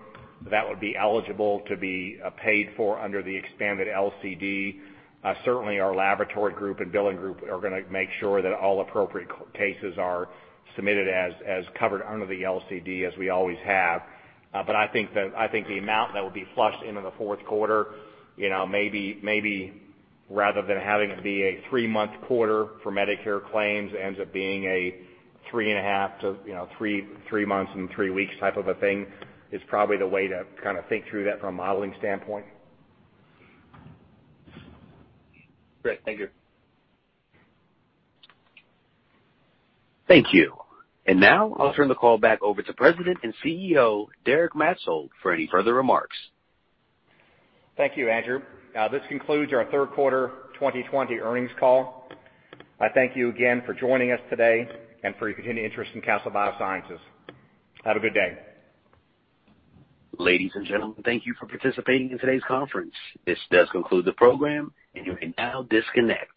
that would be eligible to be paid for under the expanded LCD. Certainly, our laboratory group and billing group are going to make sure that all appropriate cases are submitted as covered under the LCD as we always have. I think the amount that would be flushed into the fourth quarter maybe, rather than having it be a three-month quarter for Medicare claims, ends up being a three and a half to three months and three weeks type of a thing is probably the way to kind of think through that from a modeling standpoint. Great. Thank you. Thank you. Now I'll turn the call back over to President and CEO Derek Maetzold for any further remarks. Thank you, Andrew. This concludes our third quarter 2020 earnings call. I thank you again for joining us today and for your continued interest in Castle Biosciences. Have a good day. Ladies and gentlemen, thank you for participating in today's conference. This does conclude the program, and you may now disconnect.